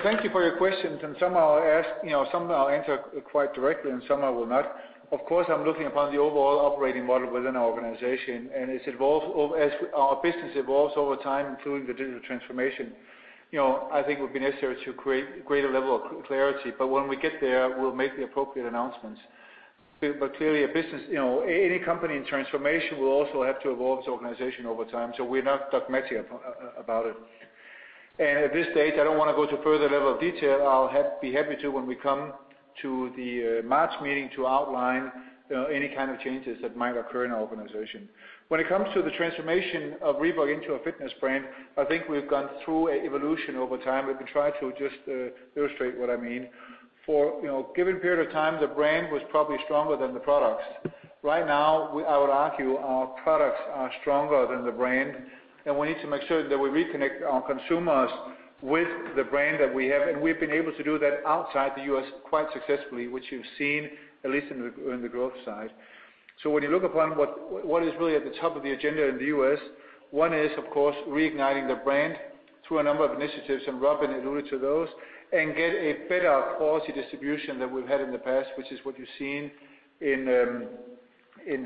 Thank you for your questions. Some I'll answer quite directly, and some I will not. Of course, I'm looking upon the overall operating model within our organization, and as our business evolves over time, including the digital transformation, I think it would be necessary to create a greater level of clarity. When we get there, we'll make the appropriate announcements. Clearly, any company in transformation will also have to evolve its organization over time. We're not dogmatic about it. At this stage, I don't want to go to a further level of detail. I'll be happy to when we come to the March meeting to outline any kind of changes that might occur in our organization. When it comes to the transformation of Reebok into a fitness brand, I think we've gone through an evolution over time. Let me try to just illustrate what I mean. For a given period of time, the brand was probably stronger than the products. Right now, I would argue our products are stronger than the brand, and we need to make sure that we reconnect our consumers with the brand that we have. We've been able to do that outside the U.S. quite successfully, which you've seen at least in the growth side. When you look upon what is really at the top of the agenda in the U.S., one is, of course, reigniting the brand through a number of initiatives, and Robin alluded to those, and get a better quality distribution than we've had in the past, which is what you've seen in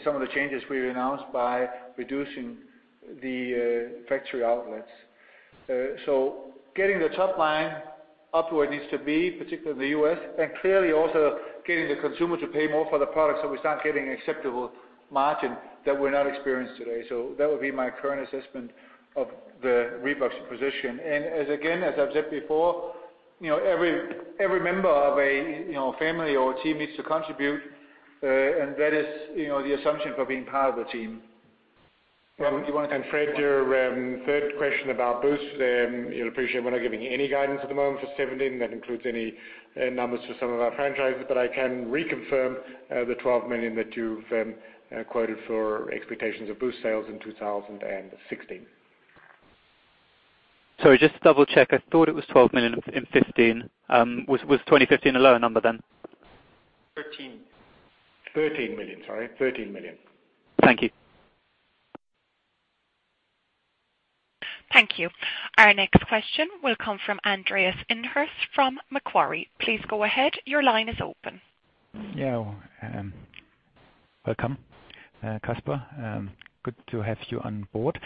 some of the changes we announced by reducing the factory outlets. Getting the top line up to where it needs to be, particularly in the U.S., and clearly also getting the consumer to pay more for the product so we start getting acceptable margin that we are not experienced today. That would be my current assessment of Reebok's position. Again, as I have said before, every member of a family or a team needs to contribute, and that is the assumption for being part of the team. Rob, do you want to take the last one? Fred, your third question about Boost, you will appreciate we are not giving any guidance at the moment for 2017. That includes any numbers for some of our franchises. I can reconfirm the 12 million that you have quoted for expectations of Boost sales in 2016. Sorry, just to double-check. I thought it was 12 million in 2015. Was 2015 a lower number then? 13. 13 million. Sorry, 13 million. Thank you. Thank you. Our next question will come from Andreas Inderst from Macquarie. Please go ahead. Your line is open. Yeah. Welcome, Kasper. Good to have you on board.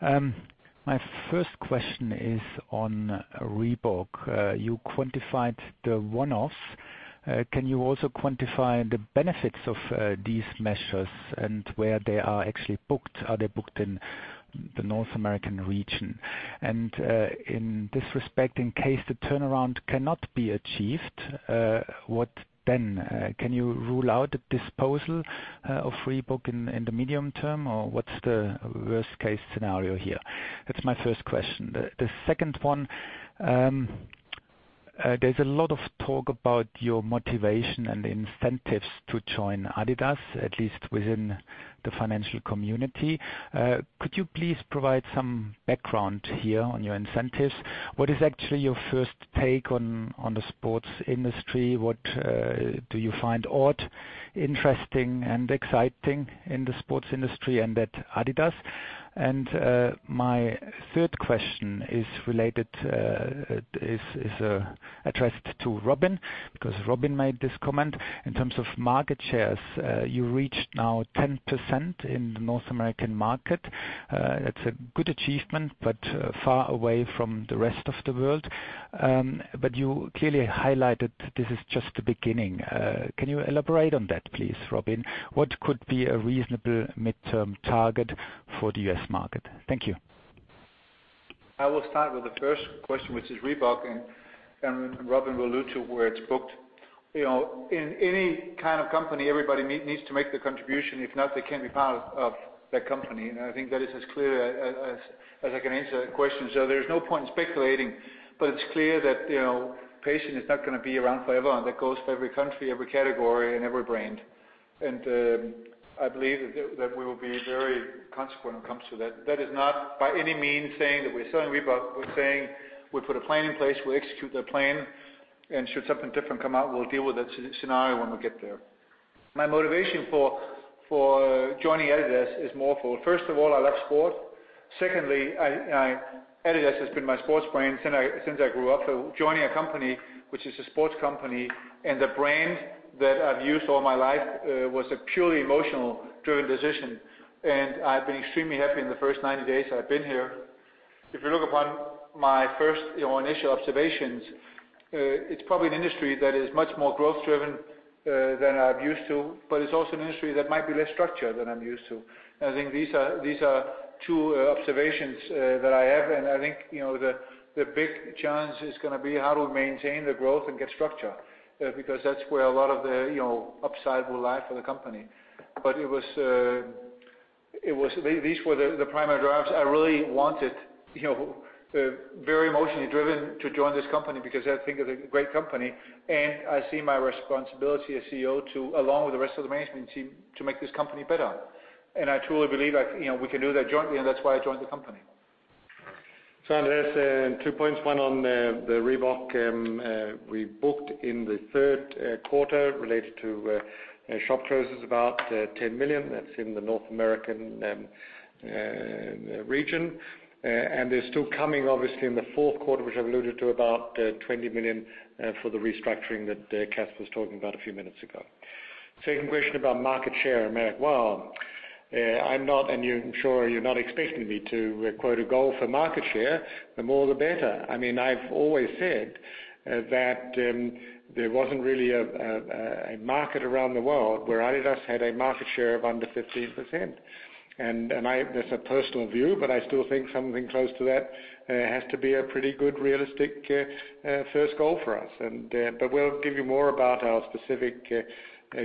My first question is on Reebok. You quantified the one-offs. Can you also quantify the benefits of these measures and where they are actually booked? Are they booked in the North American region? In this respect, in case the turnaround cannot be achieved, what then? Can you rule out a disposal of Reebok in the medium term, or what's the worst-case scenario here? That's my first question. The second one, there's a lot of talk about your motivation and incentives to join adidas, at least within the financial community. Could you please provide some background here on your incentives? What is actually your first take on the sports industry? What do you find odd, interesting, and exciting in the sports industry and at adidas? My third question is addressed to Robin, because Robin made this comment. In terms of market shares, you reached now 10% in the North American market. That's a good achievement, far away from the rest of the world. You clearly highlighted this is just the beginning. Can you elaborate on that, please, Robin? What could be a reasonable midterm target for the U.S. market? Thank you. I will start with the first question, which is Reebok, and Robin will allude to where it's booked. In any kind of company, everybody needs to make their contribution. If not, they can't be part of that company. I think that is as clear as I can answer that question. There is no point in speculating, but it's clear that PacSun is not going to be around forever, that goes for every country, every category, and every brand. I believe that we will be very consequent when it comes to that. That is not, by any means, saying that we're selling Reebok. We're saying we put a plan in place, we execute that plan, and should something different come out, we'll deal with that scenario when we get there. My motivation for joining adidas is morefold. First of all, I love sport. Secondly, adidas has been my sports brand since I grew up. Joining a company which is a sports company and the brand that I've used all my life was a purely emotional driven decision, and I've been extremely happy in the first 90 days I've been here. If you look upon my first initial observations, it's probably an industry that is much more growth-driven than I'm used to, but it's also an industry that might be less structured than I'm used to. I think these are two observations that I have, and I think the big challenge is going to be how to maintain the growth and get structure, because that's where a lot of the upside will lie for the company. These were the primary drivers. I really wanted, very emotionally driven, to join this company because I think it's a great company, and I see my responsibility as CEO to, along with the rest of the management team, to make this company better. I truly believe we can do that jointly, and that's why I joined the company. Andreas, two points. One on the Reebok we booked in the third quarter related to shop closes, about 10 million. That's in the North American region. They're still coming, obviously, in the fourth quarter, which I've alluded to, about 20 million for the restructuring that Kasper was talking about a few minutes ago. Second question about market share in America. Well, I'm not, and I'm sure you're not expecting me to quote a goal for market share. The more, the better. I've always said that there wasn't really a market around the world where adidas had a market share of under 15%. That's a personal view, but I still think something close to that has to be a pretty good, realistic first goal for us. We'll give you more about our specific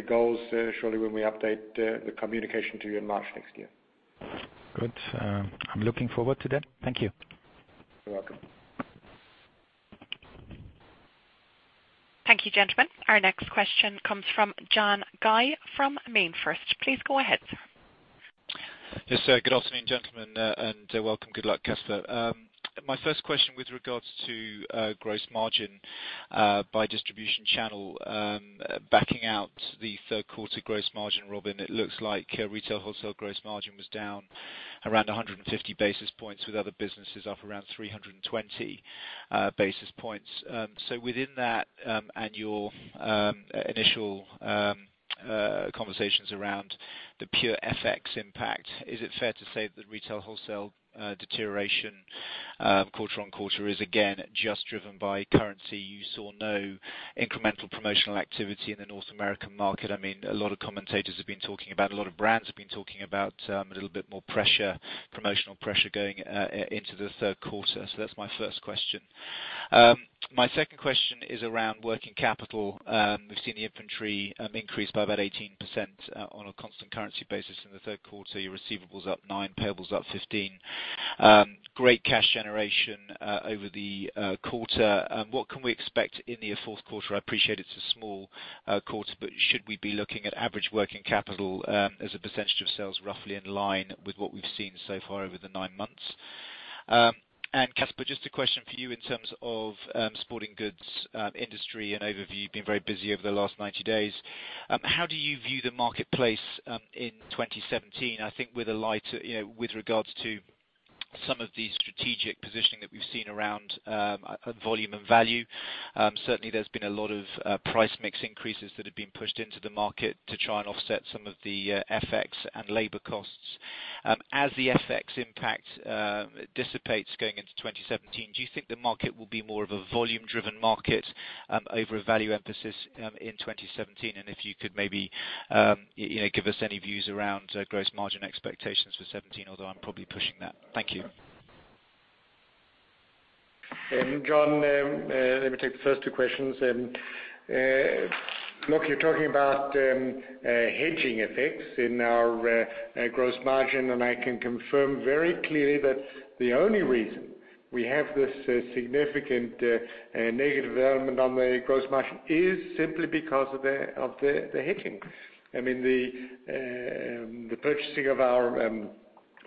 goals, surely, when we update the communication to you in March next year. Good. I'm looking forward to that. Thank you. You're welcome. Thank you, gentlemen. Our next question comes from John Guy from MainFirst. Please go ahead, sir. Yes, sir. Good afternoon, gentlemen, and welcome. Good luck, Kasper. My first question with regards to gross margin by distribution channel. Backing out the third quarter gross margin, Robin, it looks like retail wholesale gross margin was down around 150 basis points with other businesses up around 320 basis points. Within that annual initial conversations around the pure FX impact, is it fair to say that retail wholesale deterioration quarter on quarter is again just driven by currency use or no incremental promotional activity in the North American market? A lot of commentators have been talking about, a lot of brands have been talking about a little bit more promotional pressure going into the third quarter. That's my first question. My second question is around working capital. We've seen the inventory increase by about 18% on a constant currency basis in the third quarter. Your receivables up 9%, payables up 15%. Great cash generation over the quarter. What can we expect in the fourth quarter? I appreciate it's a small quarter, but should we be looking at average working capital as a percentage of sales roughly in line with what we've seen so far over the nine months? Kasper, just a question for you in terms of sporting goods industry and overview. You've been very busy over the last 90 days. How do you view the marketplace in 2017? I think with regards to some of the strategic positioning that we've seen around volume and value. Certainly, there's been a lot of price mix increases that have been pushed into the market to try and offset some of the FX and labor costs. As the FX impact dissipates going into 2017, do you think the market will be more of a volume-driven market over a value emphasis in 2017? If you could maybe give us any views around gross margin expectations for 2017, although I'm probably pushing that. Thank you. John, let me take the first two questions. Look, you're talking about hedging effects in our gross margin. I can confirm very clearly that the only reason we have this significant negative element on the gross margin is simply because of the hedging. I mean, the purchasing of our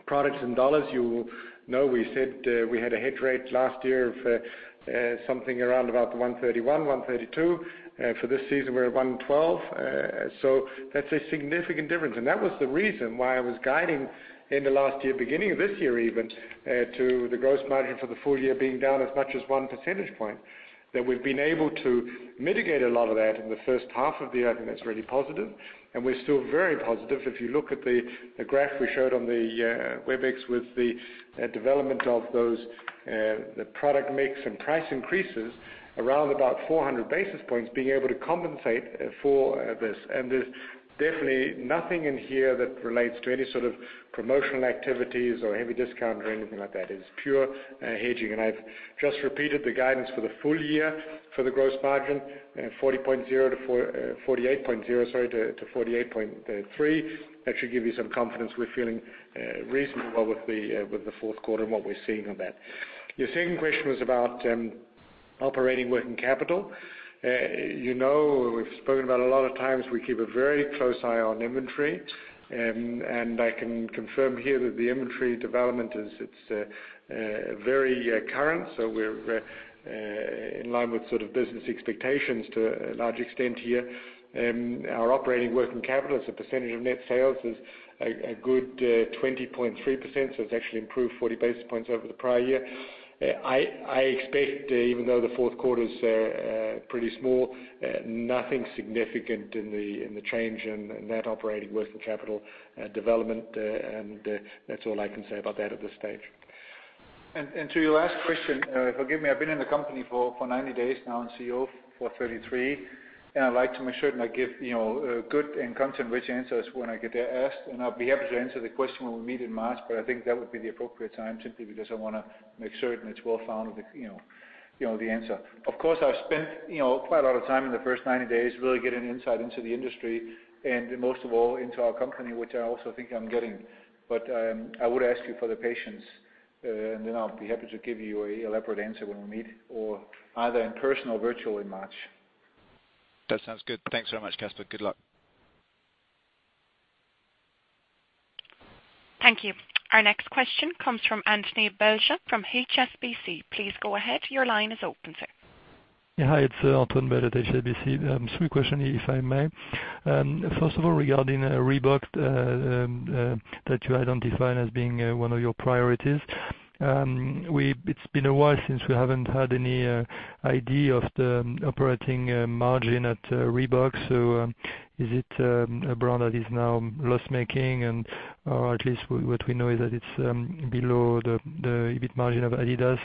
products in dollars, you know, we said we had a hedge rate last year of something around about 131, 132. For this season, we're at 112. That's a significant difference. That was the reason why I was guiding in the last year, beginning of this year even, to the gross margin for the full year being down as much as one percentage point. That we've been able to mitigate a lot of that in the first half of the year, I think that's really positive. We're still very positive. If you look at the graph we showed on the Webex with the development of those, the product mix and price increases, around about 400 basis points being able to compensate for this. There's definitely nothing in here that relates to any sort of promotional activities or heavy discount or anything like that. It is pure hedging. I've just repeated the guidance for the full year for the gross margin, 48.0% to 48.3%. That should give you some confidence. We're feeling reasonably well with the fourth quarter and what we're seeing on that. Your second question was about operating working capital. You know, we've spoken about a lot of times, we keep a very close eye on inventory. I can confirm here that the inventory development is, it's very current. We're in line with business expectations to a large extent here. Our operating working capital as a percentage of net sales is a good 20.3%. It's actually improved 40 basis points over the prior year. I expect, even though the fourth quarter's pretty small, nothing significant in the change in net operating working capital development. That's all I can say about that at this stage. To your last question, forgive me, I've been in the company for 90 days now and CEO for 33. I like to make sure that I give good and content-rich answers when I get asked. I'll be happy to answer the question when we meet in March, but I think that would be the appropriate time, simply because I want to make certain it's well-founded, the answer. Of course, I've spent quite a lot of time in the first 90 days really getting insight into the industry and most of all, into our company, which I also think I'm getting. I would ask you for the patience, and then I'll be happy to give you an elaborate answer when we meet or either in person or virtual in March. That sounds good. Thanks very much, Kasper. Good luck. Thank you. Our next question comes from Antoine Bellefroid from HSBC. Please go ahead. Your line is open, sir. Hi, it's Antoine Bellefroid at HSBC. Three question, if I may. First of all, regarding Reebok that you identified as being one of your priorities. It's been a while since we haven't had any idea of the operating margin at Reebok. Is it a brand that is now loss-making? Or at least what we know is that it's below the EBIT margin of adidas.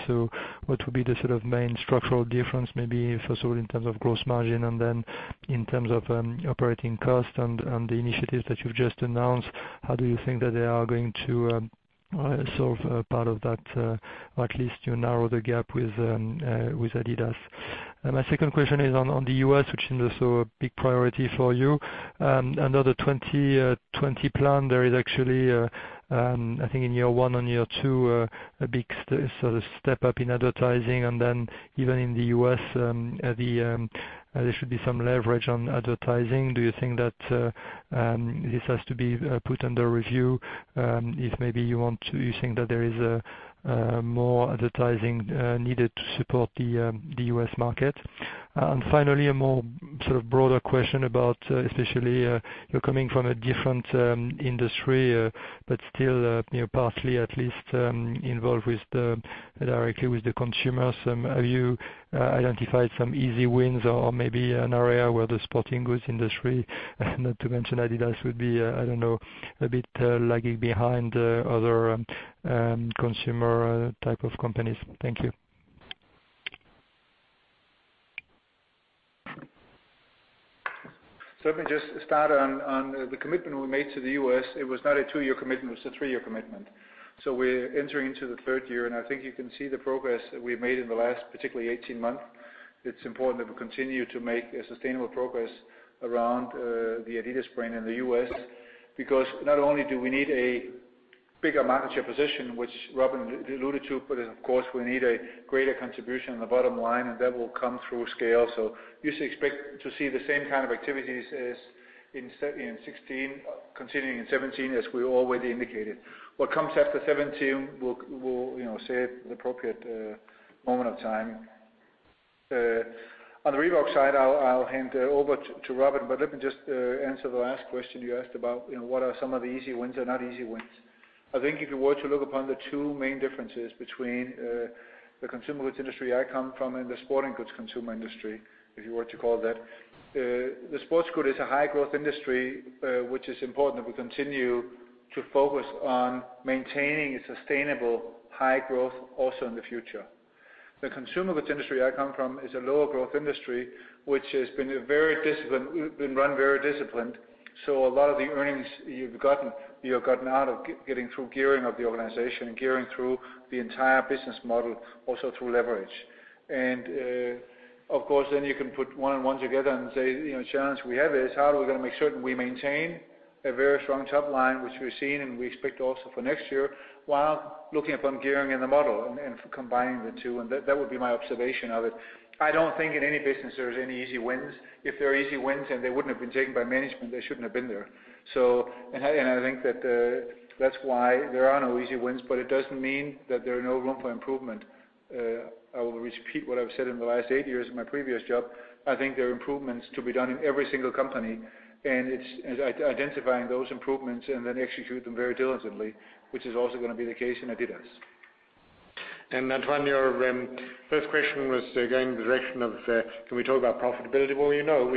What would be the sort of main structural difference, maybe first of all, in terms of gross margin and then in terms of operating cost and the initiatives that you've just announced, how do you think that they are going to solve a part of that, or at least narrow the gap with adidas? My second question is on the U.S., which is also a big priority for you. Another 2020 plan, there is actually, I think in year one and year two, a big sort of step up in advertising, then even in the U.S., there should be some leverage on advertising. Do you think that this has to be put under review? If maybe you want to, you think that there is more advertising needed to support the U.S. market? Finally, a more sort of broader question about, especially, you're coming from a different industry but still, partly at least, involved directly with the consumer. Have you identified some easy wins or maybe an area where the sporting goods industry, not to mention adidas, would be, I don't know, a bit lagging behind other consumer type of companies? Thank you. Let me just start on the commitment we made to the U.S. It was not a two-year commitment, it was a three-year commitment. We're entering into the third year, and I think you can see the progress that we've made in the last particularly 18 months. It's important that we continue to make a sustainable progress around the adidas brand in the U.S. because not only do we need a bigger market share position, which Robin alluded to, but of course, we need a greater contribution on the bottom line, and that will come through scale. You should expect to see the same kind of activities as in 2016 continuing in 2017, as we already indicated. What comes after 2017, we'll say at the appropriate moment of time. On the Reebok side, I'll hand over to Robin, let me just answer the last question you asked about what are some of the easy wins or not easy wins. I think if you were to look upon the two main differences between the consumer goods industry I come from and the sporting goods consumer industry, if you were to call it that. The sporting goods is a high growth industry, which is important that we continue to focus on maintaining a sustainable high growth also in the future. The consumer goods industry I come from is a lower growth industry, which has been run very disciplined. A lot of the earnings you've gotten, you have gotten out of getting through gearing of the organization and gearing through the entire business model, also through leverage. Of course, you can put one and one together and say, the challenge we have is how are we going to make certain we maintain a very strong top line, which we've seen, and we expect also for next year, while looking upon gearing in the model and combining the two, and that would be my observation of it. I don't think in any business there's any easy wins. If they're easy wins and they wouldn't have been taken by management, they shouldn't have been there. I think that's why there are no easy wins, but it doesn't mean that there are no room for improvement. I will repeat what I've said in the last eight years in my previous job, I think there are improvements to be done in every single company, it's identifying those improvements and then execute them very diligently, which is also going to be the case in adidas. Antoine, your first question was going in the direction of, can we talk about profitability? Well, you know,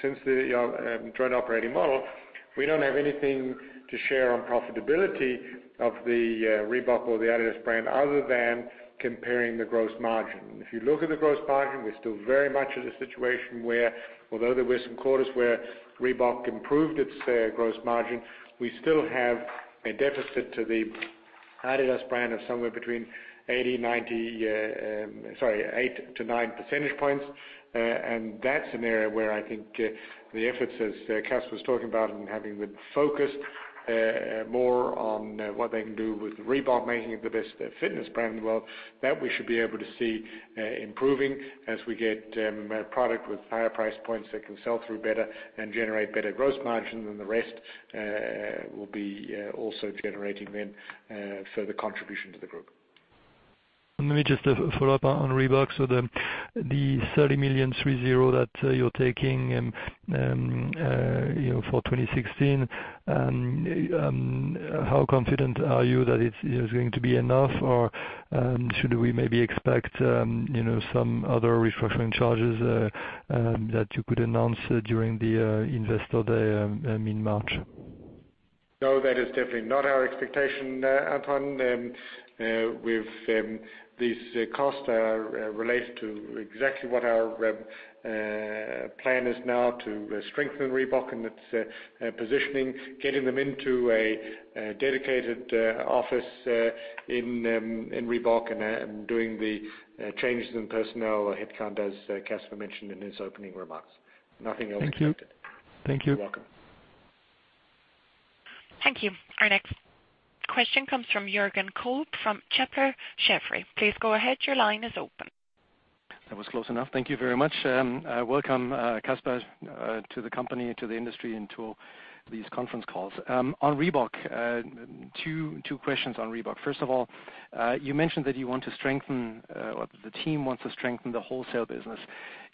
since the joint operating model, we don't have anything to share on profitability of the Reebok or the adidas brand other than comparing the gross margin. If you look at the gross margin, we're still very much in a situation where although there were some quarters where Reebok improved its gross margin, we still have a deficit to the adidas brand of somewhere between 8-9 percentage points. That's an area where I think the efforts as Kasper's talking about and having the focus more on what they can do with Reebok, making it the best fitness brand in the world, that we should be able to see improving as we get product with higher price points that can sell through better and generate better gross margin than the rest, will be also generating then further contribution to the group. Let me just follow up on Reebok. The 30 million that you're taking for 2016, how confident are you that it is going to be enough or should we maybe expect some other restructuring charges that you could announce during the Investor Day in March? No, that is definitely not our expectation, Antoine. These costs are related to exactly what our plan is now to strengthen Reebok and its positioning, getting them into a dedicated office in Reebok and doing the changes in personnel headcount as Kasper mentioned in his opening remarks. Nothing else expected. Thank you. You're welcome. Thank you. Our next question comes from Jürgen Kolb from Cheuvreux. Please go ahead. Your line is open. That was close enough. Thank you very much. Welcome, Kasper, to the company, to the industry, and to these conference calls. On Reebok, two questions on Reebok. First of all, you mentioned that the team wants to strengthen the wholesale business.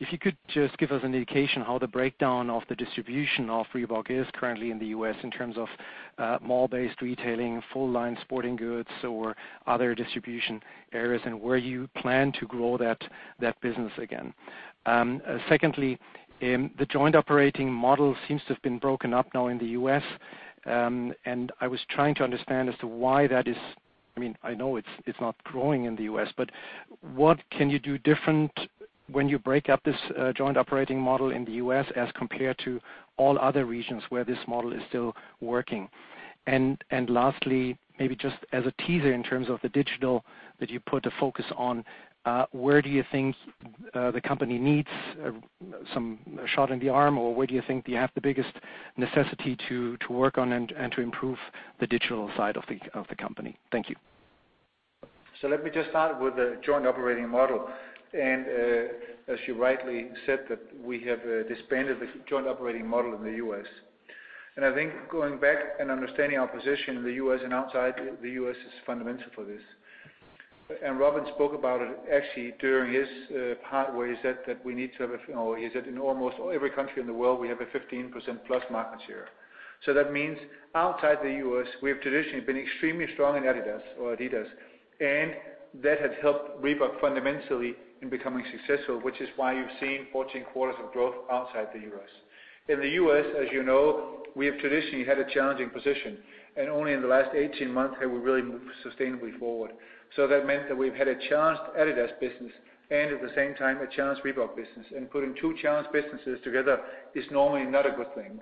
If you could just give us an indication how the breakdown of the distribution of Reebok is currently in the U.S. in terms of mall-based retailing, full-line sporting goods, or other distribution areas, and where you plan to grow that business again. Secondly, the joint operating model seems to have been broken up now in the U.S., and I was trying to understand as to why that is. I know it's not growing in the U.S., but what can you do different when you break up this joint operating model in the U.S. as compared to all other regions where this model is still working? Lastly, maybe just as a teaser in terms of the digital that you put a focus on, where do you think the company needs some shot in the arm, or where do you think you have the biggest necessity to work on and to improve the digital side of the company? Thank you. Let me just start with the joint operating model. As you rightly said, that we have disbanded the joint operating model in the U.S. I think going back and understanding our position in the U.S. and outside the U.S. is fundamental for this. Robin Stalker spoke about it actually during his part where he said in almost every country in the world, we have a 15%-plus market share. That means outside the U.S., we have traditionally been extremely strong in adidas, and that has helped Reebok fundamentally in becoming successful, which is why you've seen 14 quarters of growth outside the U.S. In the U.S., as you know, we have traditionally had a challenging position, and only in the last 18 months have we really moved sustainably forward. That meant that we've had a challenged adidas business and at the same time, a challenged Reebok business. Putting two challenged businesses together is normally not a good thing.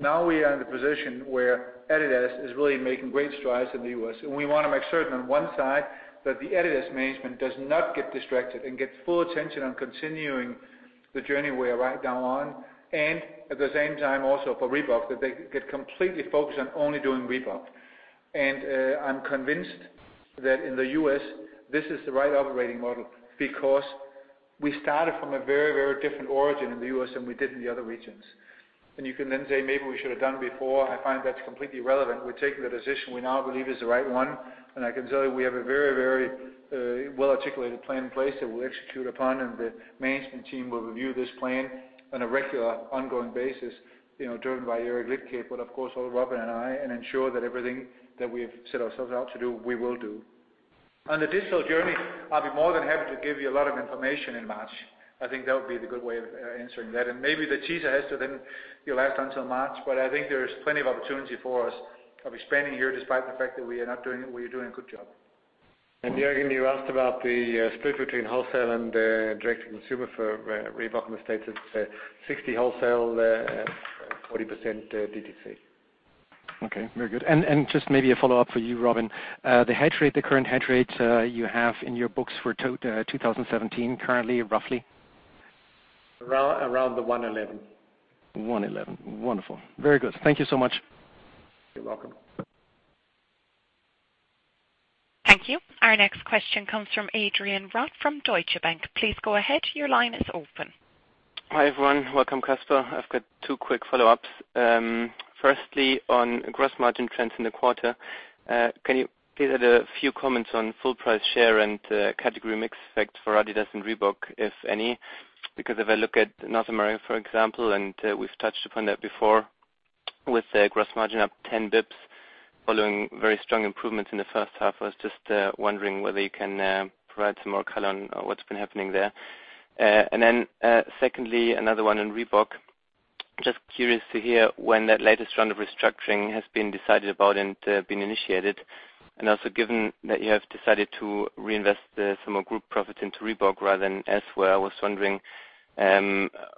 Now we are in the position where adidas is really making great strides in the U.S., and we want to make certain on one side that the adidas management does not get distracted and get full attention on continuing the journey we are right now on. At the same time, also for Reebok, that they get completely focused on only doing Reebok. I'm convinced that in the U.S., this is the right operating model because we started from a very, very different origin in the U.S. than we did in the other regions. You can then say, maybe we should have done before. I find that's completely irrelevant. We're taking the decision we now believe is the right one, I can tell you we have a very, very well-articulated plan in place that we'll execute upon, the management team will review this plan on a regular, ongoing basis, driven by Eric Liedtke, of course, also Robin Stalker and I, and ensure that everything that we have set ourselves out to do, we will do. On the digital journey, I'll be more than happy to give you a lot of information in March. I think that would be the good way of answering that. Maybe the teaser has to then last until March, I think there is plenty of opportunity for us. I'll be spending here despite the fact that we are doing a good job. Jürgen, you asked about the split between wholesale and direct consumer for Reebok. In the States, it's 60% wholesale, 40% DTC. Okay. Very good. Just maybe a follow-up for you, Robin. The current hedge rate you have in your books for 2017, currently, roughly? Around the 111. 111. Wonderful. Very good. Thank you so much. You're welcome. Thank you. Our next question comes from Adrian Rott from Deutsche Bank. Please go ahead. Your line is open. Hi, everyone. Welcome, Kasper. I've got two quick follow-ups. Firstly, on gross margin trends in the quarter. Can you give a few comments on full price share and category mix effect for adidas and Reebok, if any? Because if I look at North America, for example, and we've touched upon that before with the gross margin up 10 basis points following very strong improvements in the first half. I was just wondering whether you can provide some more color on what's been happening there. Then secondly, another one on Reebok. Just curious to hear when that latest round of restructuring has been decided about and been initiated. Also, given that you have decided to reinvest some more group profits into Reebok rather than elsewhere, I was just wondering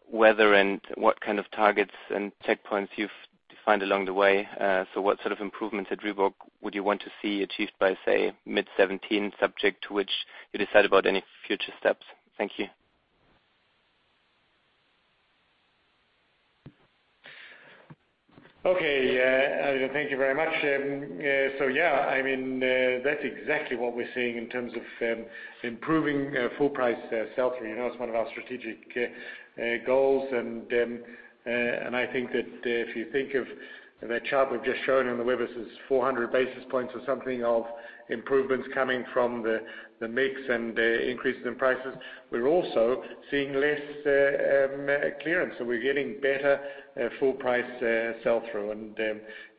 whether and what kind of targets and checkpoints you've defined along the way. What sort of improvements at Reebok would you want to see achieved by, say, mid 2017, subject to which you decide about any future steps? Thank you. Okay. Adrian, thank you very much. That's exactly what we're seeing in terms of improving full price sell-through. It's one of our strategic goals, and I think that if you think of the chart we've just shown on the web, this is 400 basis points or something of improvements coming from the mix and increases in prices. We're also seeing less clearance. We're getting better full price sell-through.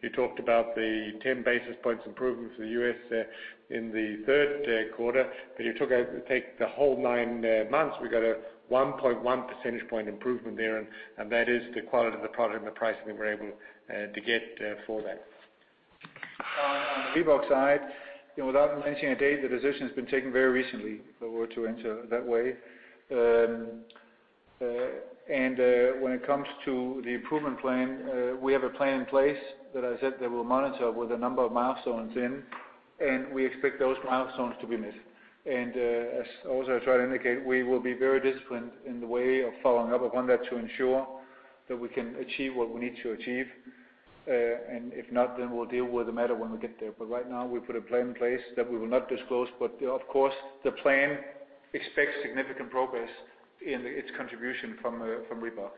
You talked about the 10 basis points improvement for the U.S. in the third quarter, if you take the whole nine months, we got a 1.1 percentage point improvement there, and that is the quality of the product and the pricing we were able to get for that. On the Reebok side, without mentioning a date, the decision's been taken very recently if we were to enter that way. When it comes to the improvement plan, we have a plan in place that I said that we'll monitor with a number of milestones in, we expect those milestones to be met. As I also tried to indicate, we will be very disciplined in the way of following up upon that to ensure that we can achieve what we need to achieve. If not, then we'll deal with the matter when we get there. Right now, we put a plan in place that we will not disclose. Of course, the plan expects significant progress in its contribution from Reebok.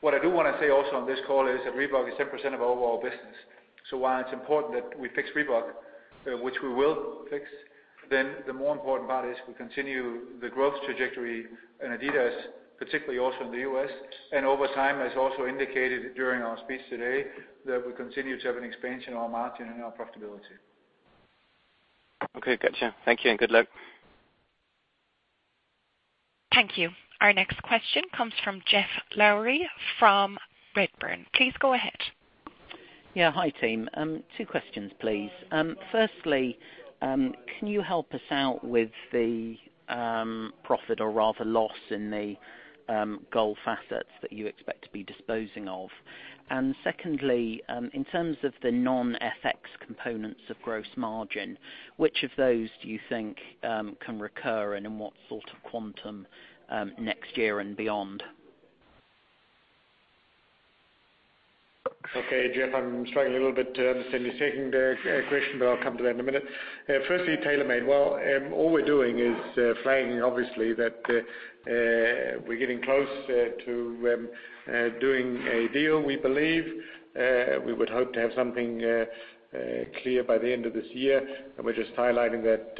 What I do want to say also on this call is that Reebok is 10% of our overall business. While it's important that we fix Reebok, which we will fix, then the more important part is we continue the growth trajectory in adidas, particularly also in the U.S. Over time, as also indicated during our speech today, that we continue to have an expansion on our margin and our profitability. Okay. Got you. Thank you, and good luck. Thank you. Our next question comes from Geoff Lowery from Redburn. Please go ahead. Yeah. Hi, team. Two questions, please. Firstly, can you help us out with the profit or rather loss in the golf assets that you expect to be disposing of? Secondly, in terms of the non-FX components of gross margin, which of those do you think can recur, and in what sort of quantum next year and beyond? Okay, Geoff, I'm struggling a little bit to understand your second question, I'll come to that in a minute. Firstly, TaylorMade. Well, all we're doing is flagging, obviously, that we're getting close to doing a deal, we believe. We would hope to have something clear by the end of this year. We're just highlighting that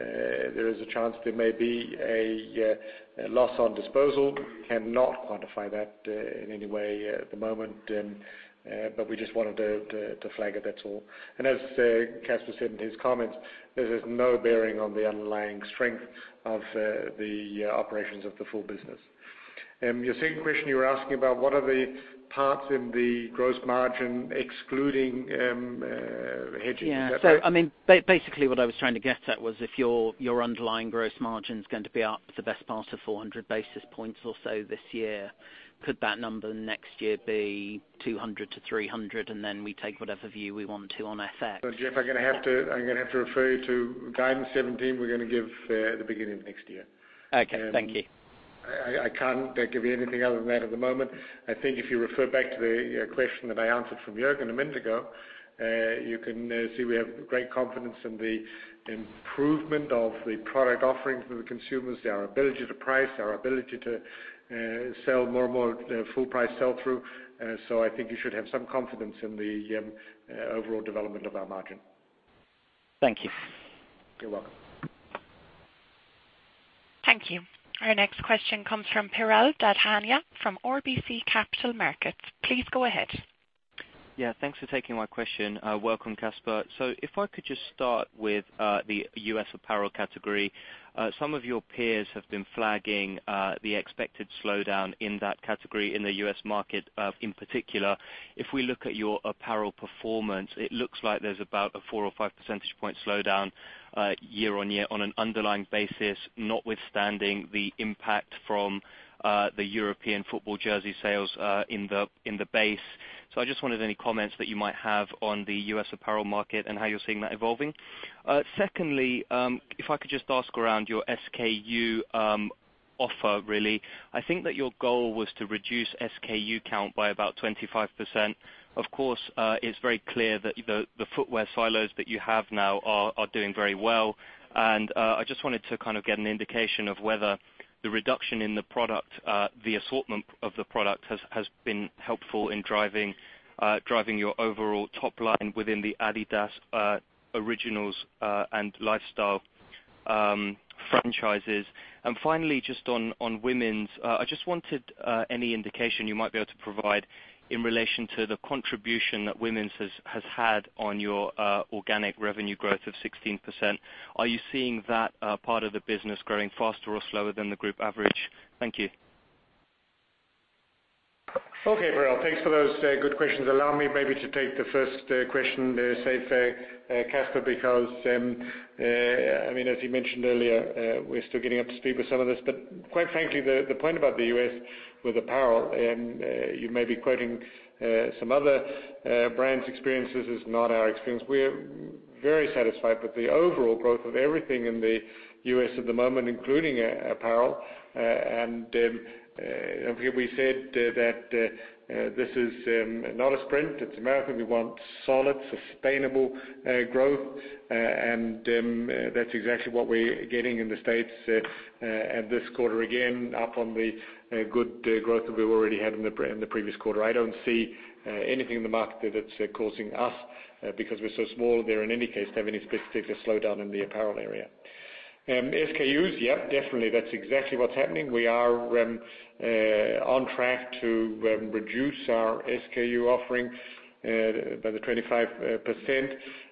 there is a chance there may be a loss on disposal. Cannot quantify that in any way at the moment. We just wanted to flag it, that's all. As Kasper said in his comments, this has no bearing on the underlying strength of the operations of the full business. Your second question, you were asking about what are the parts in the gross margin excluding hedging. Is that right? Yeah. Basically what I was trying to get at was if your underlying gross margin is going to be up the best part of 400 basis points or so this year, could that number next year be 200 to 300, then we take whatever view we want to on FX? Well, Geoff, I'm going to have to refer you to guidance 2017 we're going to give at the beginning of next year. Okay. Thank you. I can't give you anything other than that at the moment. I think if you refer back to the question that I answered from Jürgen a minute ago, you can see we have great confidence in the improvement of the product offerings for the consumers, our ability to price, our ability to sell more and more full price sell-through. I think you should have some confidence in the overall development of our margin. Thank you. You're welcome. Thank you. Our next question comes from Piral Dadhania from RBC Capital Markets. Please go ahead. Thanks for taking my question. Welcome, Kasper. If I could just start with the U.S. apparel category. Some of your peers have been flagging the expected slowdown in that category in the U.S. market, in particular. If we look at your apparel performance, it looks like there's about a four or five percentage point slowdown year-over-year on an underlying basis, notwithstanding the impact from the European football jersey sales in the base. I just wondered any comments that you might have on the U.S. apparel market and how you're seeing that evolving. Secondly, if I could just ask around your SKU offer really. I think that your goal was to reduce SKU count by about 25%. Of course, it's very clear that the footwear silos that you have now are doing very well. I just wanted to kind of get an indication of whether the reduction in the product, the assortment of the product, has been helpful in driving your overall top line within the adidas Originals and lifestyle franchises. Finally, just on women's. I just wanted any indication you might be able to provide in relation to the contribution that women's has had on your organic revenue growth of 16%. Are you seeing that part of the business growing faster or slower than the group average? Thank you. Okay, Piral. Thanks for those good questions. Allow me maybe to take the first question, say for Kasper, because, as he mentioned earlier, we're still getting up to speed with some of this. Quite frankly, the point about the U.S. with apparel, and you may be quoting some other brands' experiences, is not our experience. We're very satisfied with the overall growth of everything in the U.S. at the moment, including apparel. We said that this is not a sprint. It's a marathon. We want solid, sustainable growth. That's exactly what we're getting in the States, and this quarter again, up on the good growth that we already had in the previous quarter. I don't see anything in the market that's causing us, because we're so small there in any case, to have any specific slowdown in the apparel area. SKUs, yep, definitely. That's exactly what's happening. We are on track to reduce our SKU offerings by the 25%,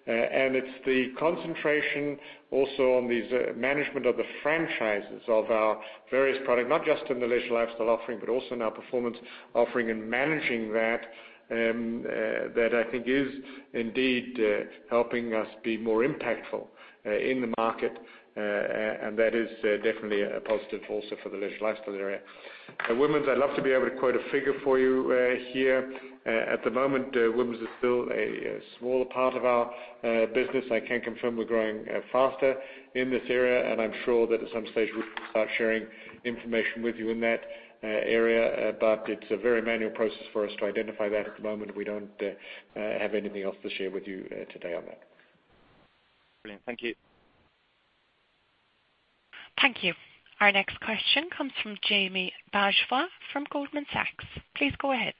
it's the concentration also on these management of the franchises of our various product, not just in the leisure lifestyle offering, but also in our performance offering and managing that I think is indeed helping us be more impactful in the market. That is definitely a positive also for the leisure lifestyle area. Women's, I'd love to be able to quote a figure for you here. At the moment, women's is still a smaller part of our business. I can confirm we're growing faster in this area, and I'm sure that at some stage we'll start sharing information with you in that area. It's a very manual process for us to identify that at the moment. We don't have anything else to share with you today on that. Brilliant. Thank you. Thank you. Our next question comes from Jamie Bajwa from Goldman Sachs. Please go ahead.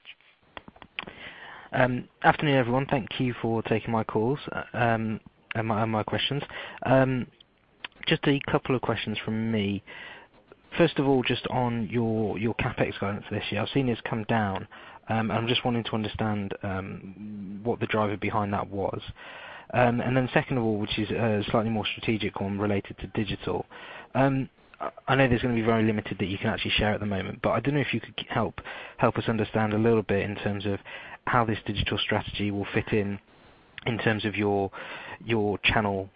Afternoon, everyone. Thank you for taking my calls and my questions. Just a couple of questions from me. First of all, just on your CapEx guidance for this year. I've seen this come down, I'm just wanting to understand what the driver behind that was. Second of all, which is a slightly more strategic one related to digital. I know there's going to be very limited that you can actually share at the moment, I don't know if you could help us understand a little bit in terms of how this digital strategy will fit in terms of your channel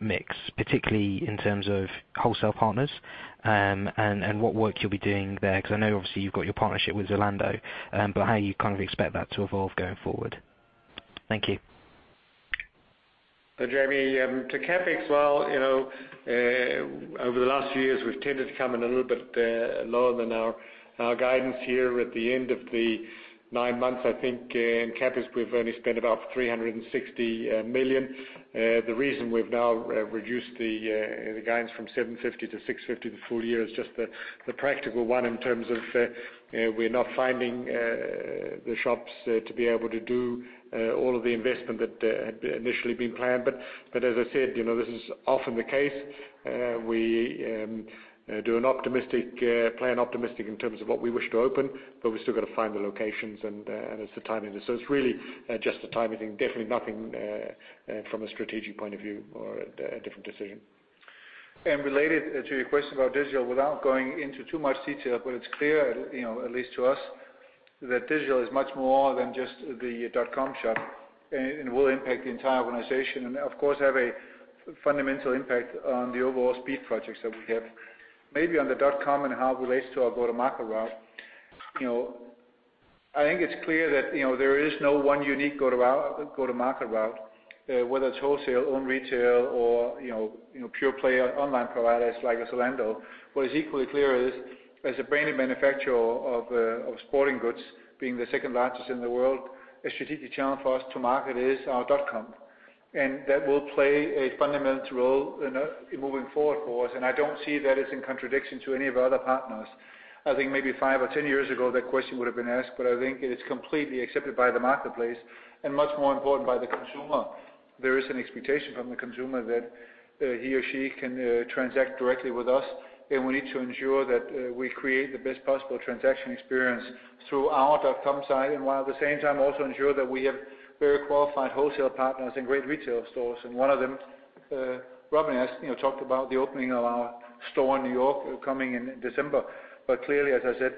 mix, particularly in terms of wholesale partners. What work you'll be doing there, because I know obviously you've got your partnership with Zalando, but how you kind of expect that to evolve going forward. Thank you. Jamie, to CapEx, well, over the last few years, we've tended to come in a little bit lower than our guidance here. At the end of the nine months, I think in CapEx, we've only spent about 360 million. The reason we've now reduced the guidance from 750 to 650 the full year is just the practical one in terms of we're not finding the shops to be able to do all of the investment that had initially been planned. As I said, this is often the case. We do an optimistic plan, optimistic in terms of what we wish to open, but we still got to find the locations and it's the timing. It's really just a timing thing. Definitely nothing from a strategic point of view or a different decision. Related to your question about digital, without going into too much detail, but it's clear, at least to us, that digital is much more than just the dot-com shop and will impact the entire organization and, of course, have a fundamental impact on the overall speed projects that we have. Maybe on the dot-com and how it relates to our go-to-market route. I think it's clear that there is no one unique go-to-market route, whether it's wholesale, own retail or pure play online providers like a Zalando. What is equally clear is as a branded manufacturer of sporting goods, being the second largest in the world, a strategic channel for us to market is our dot-com. That will play a fundamental role in moving forward for us, and I don't see that as in contradiction to any of our other partners. I think maybe five or 10 years ago, that question would've been asked, but I think it is completely accepted by the marketplace and much more important by the consumer There is an expectation from the consumer that he or she can transact directly with us, we need to ensure that we create the best possible transaction experience throughout our e-com side, while at the same time also ensure that we have very qualified wholesale partners and great retail stores. One of them, Robin has talked about the opening of our store in New York coming in December. Clearly, as I said,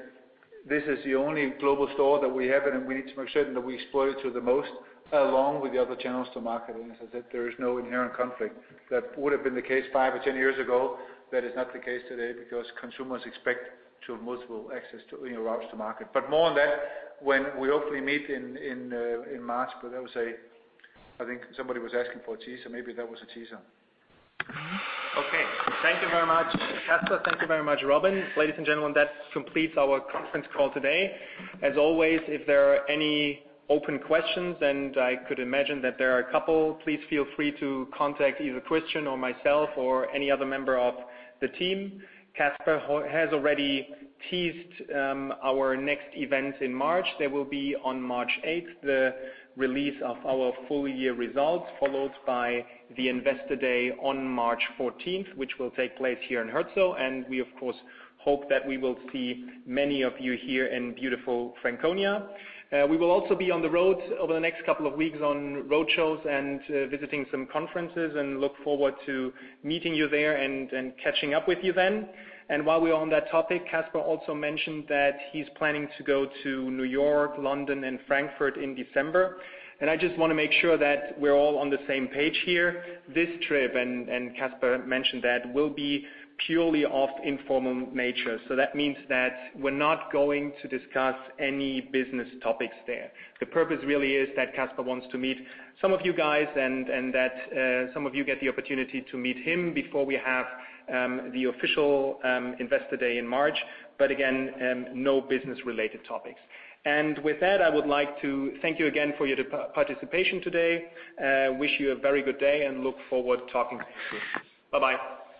this is the only global store that we have, we need to make certain that we exploit it to the most, along with the other channels to market. As I said, there is no inherent conflict. That would have been the case 5 or 10 years ago. That is not the case today because consumers expect to have multiple access routes to market. More on that when we hopefully meet in March. I would say, I think somebody was asking for a teaser. Maybe that was a teaser. Okay. Thank you very much, Kasper. Thank you very much, Robin. Ladies and gentlemen, that completes our conference call today. As always, if there are any open questions, and I could imagine that there are a couple, please feel free to contact either Christian or myself or any other member of the team. Kasper has already teased our next event in March. That will be on March 8th, the release of our full year results, followed by the Investor Day on March 14th, which will take place here in Herzogenaurach. We, of course, hope that we will see many of you here in beautiful Franconia. We will also be on the road over the next couple of weeks on road shows and visiting some conferences and look forward to meeting you there and catching up with you then. While we're on that topic, Kasper also mentioned that he's planning to go to New York, London, and Frankfurt in December. I just want to make sure that we're all on the same page here. This trip, and Kasper mentioned that, will be purely of informal nature. That means that we're not going to discuss any business topics there. The purpose really is that Kasper wants to meet some of you guys and that some of you get the opportunity to meet him before we have the official Investor Day in March. Again, no business-related topics. With that, I would like to thank you again for your participation today. Wish you a very good day and look forward talking to you. Bye-bye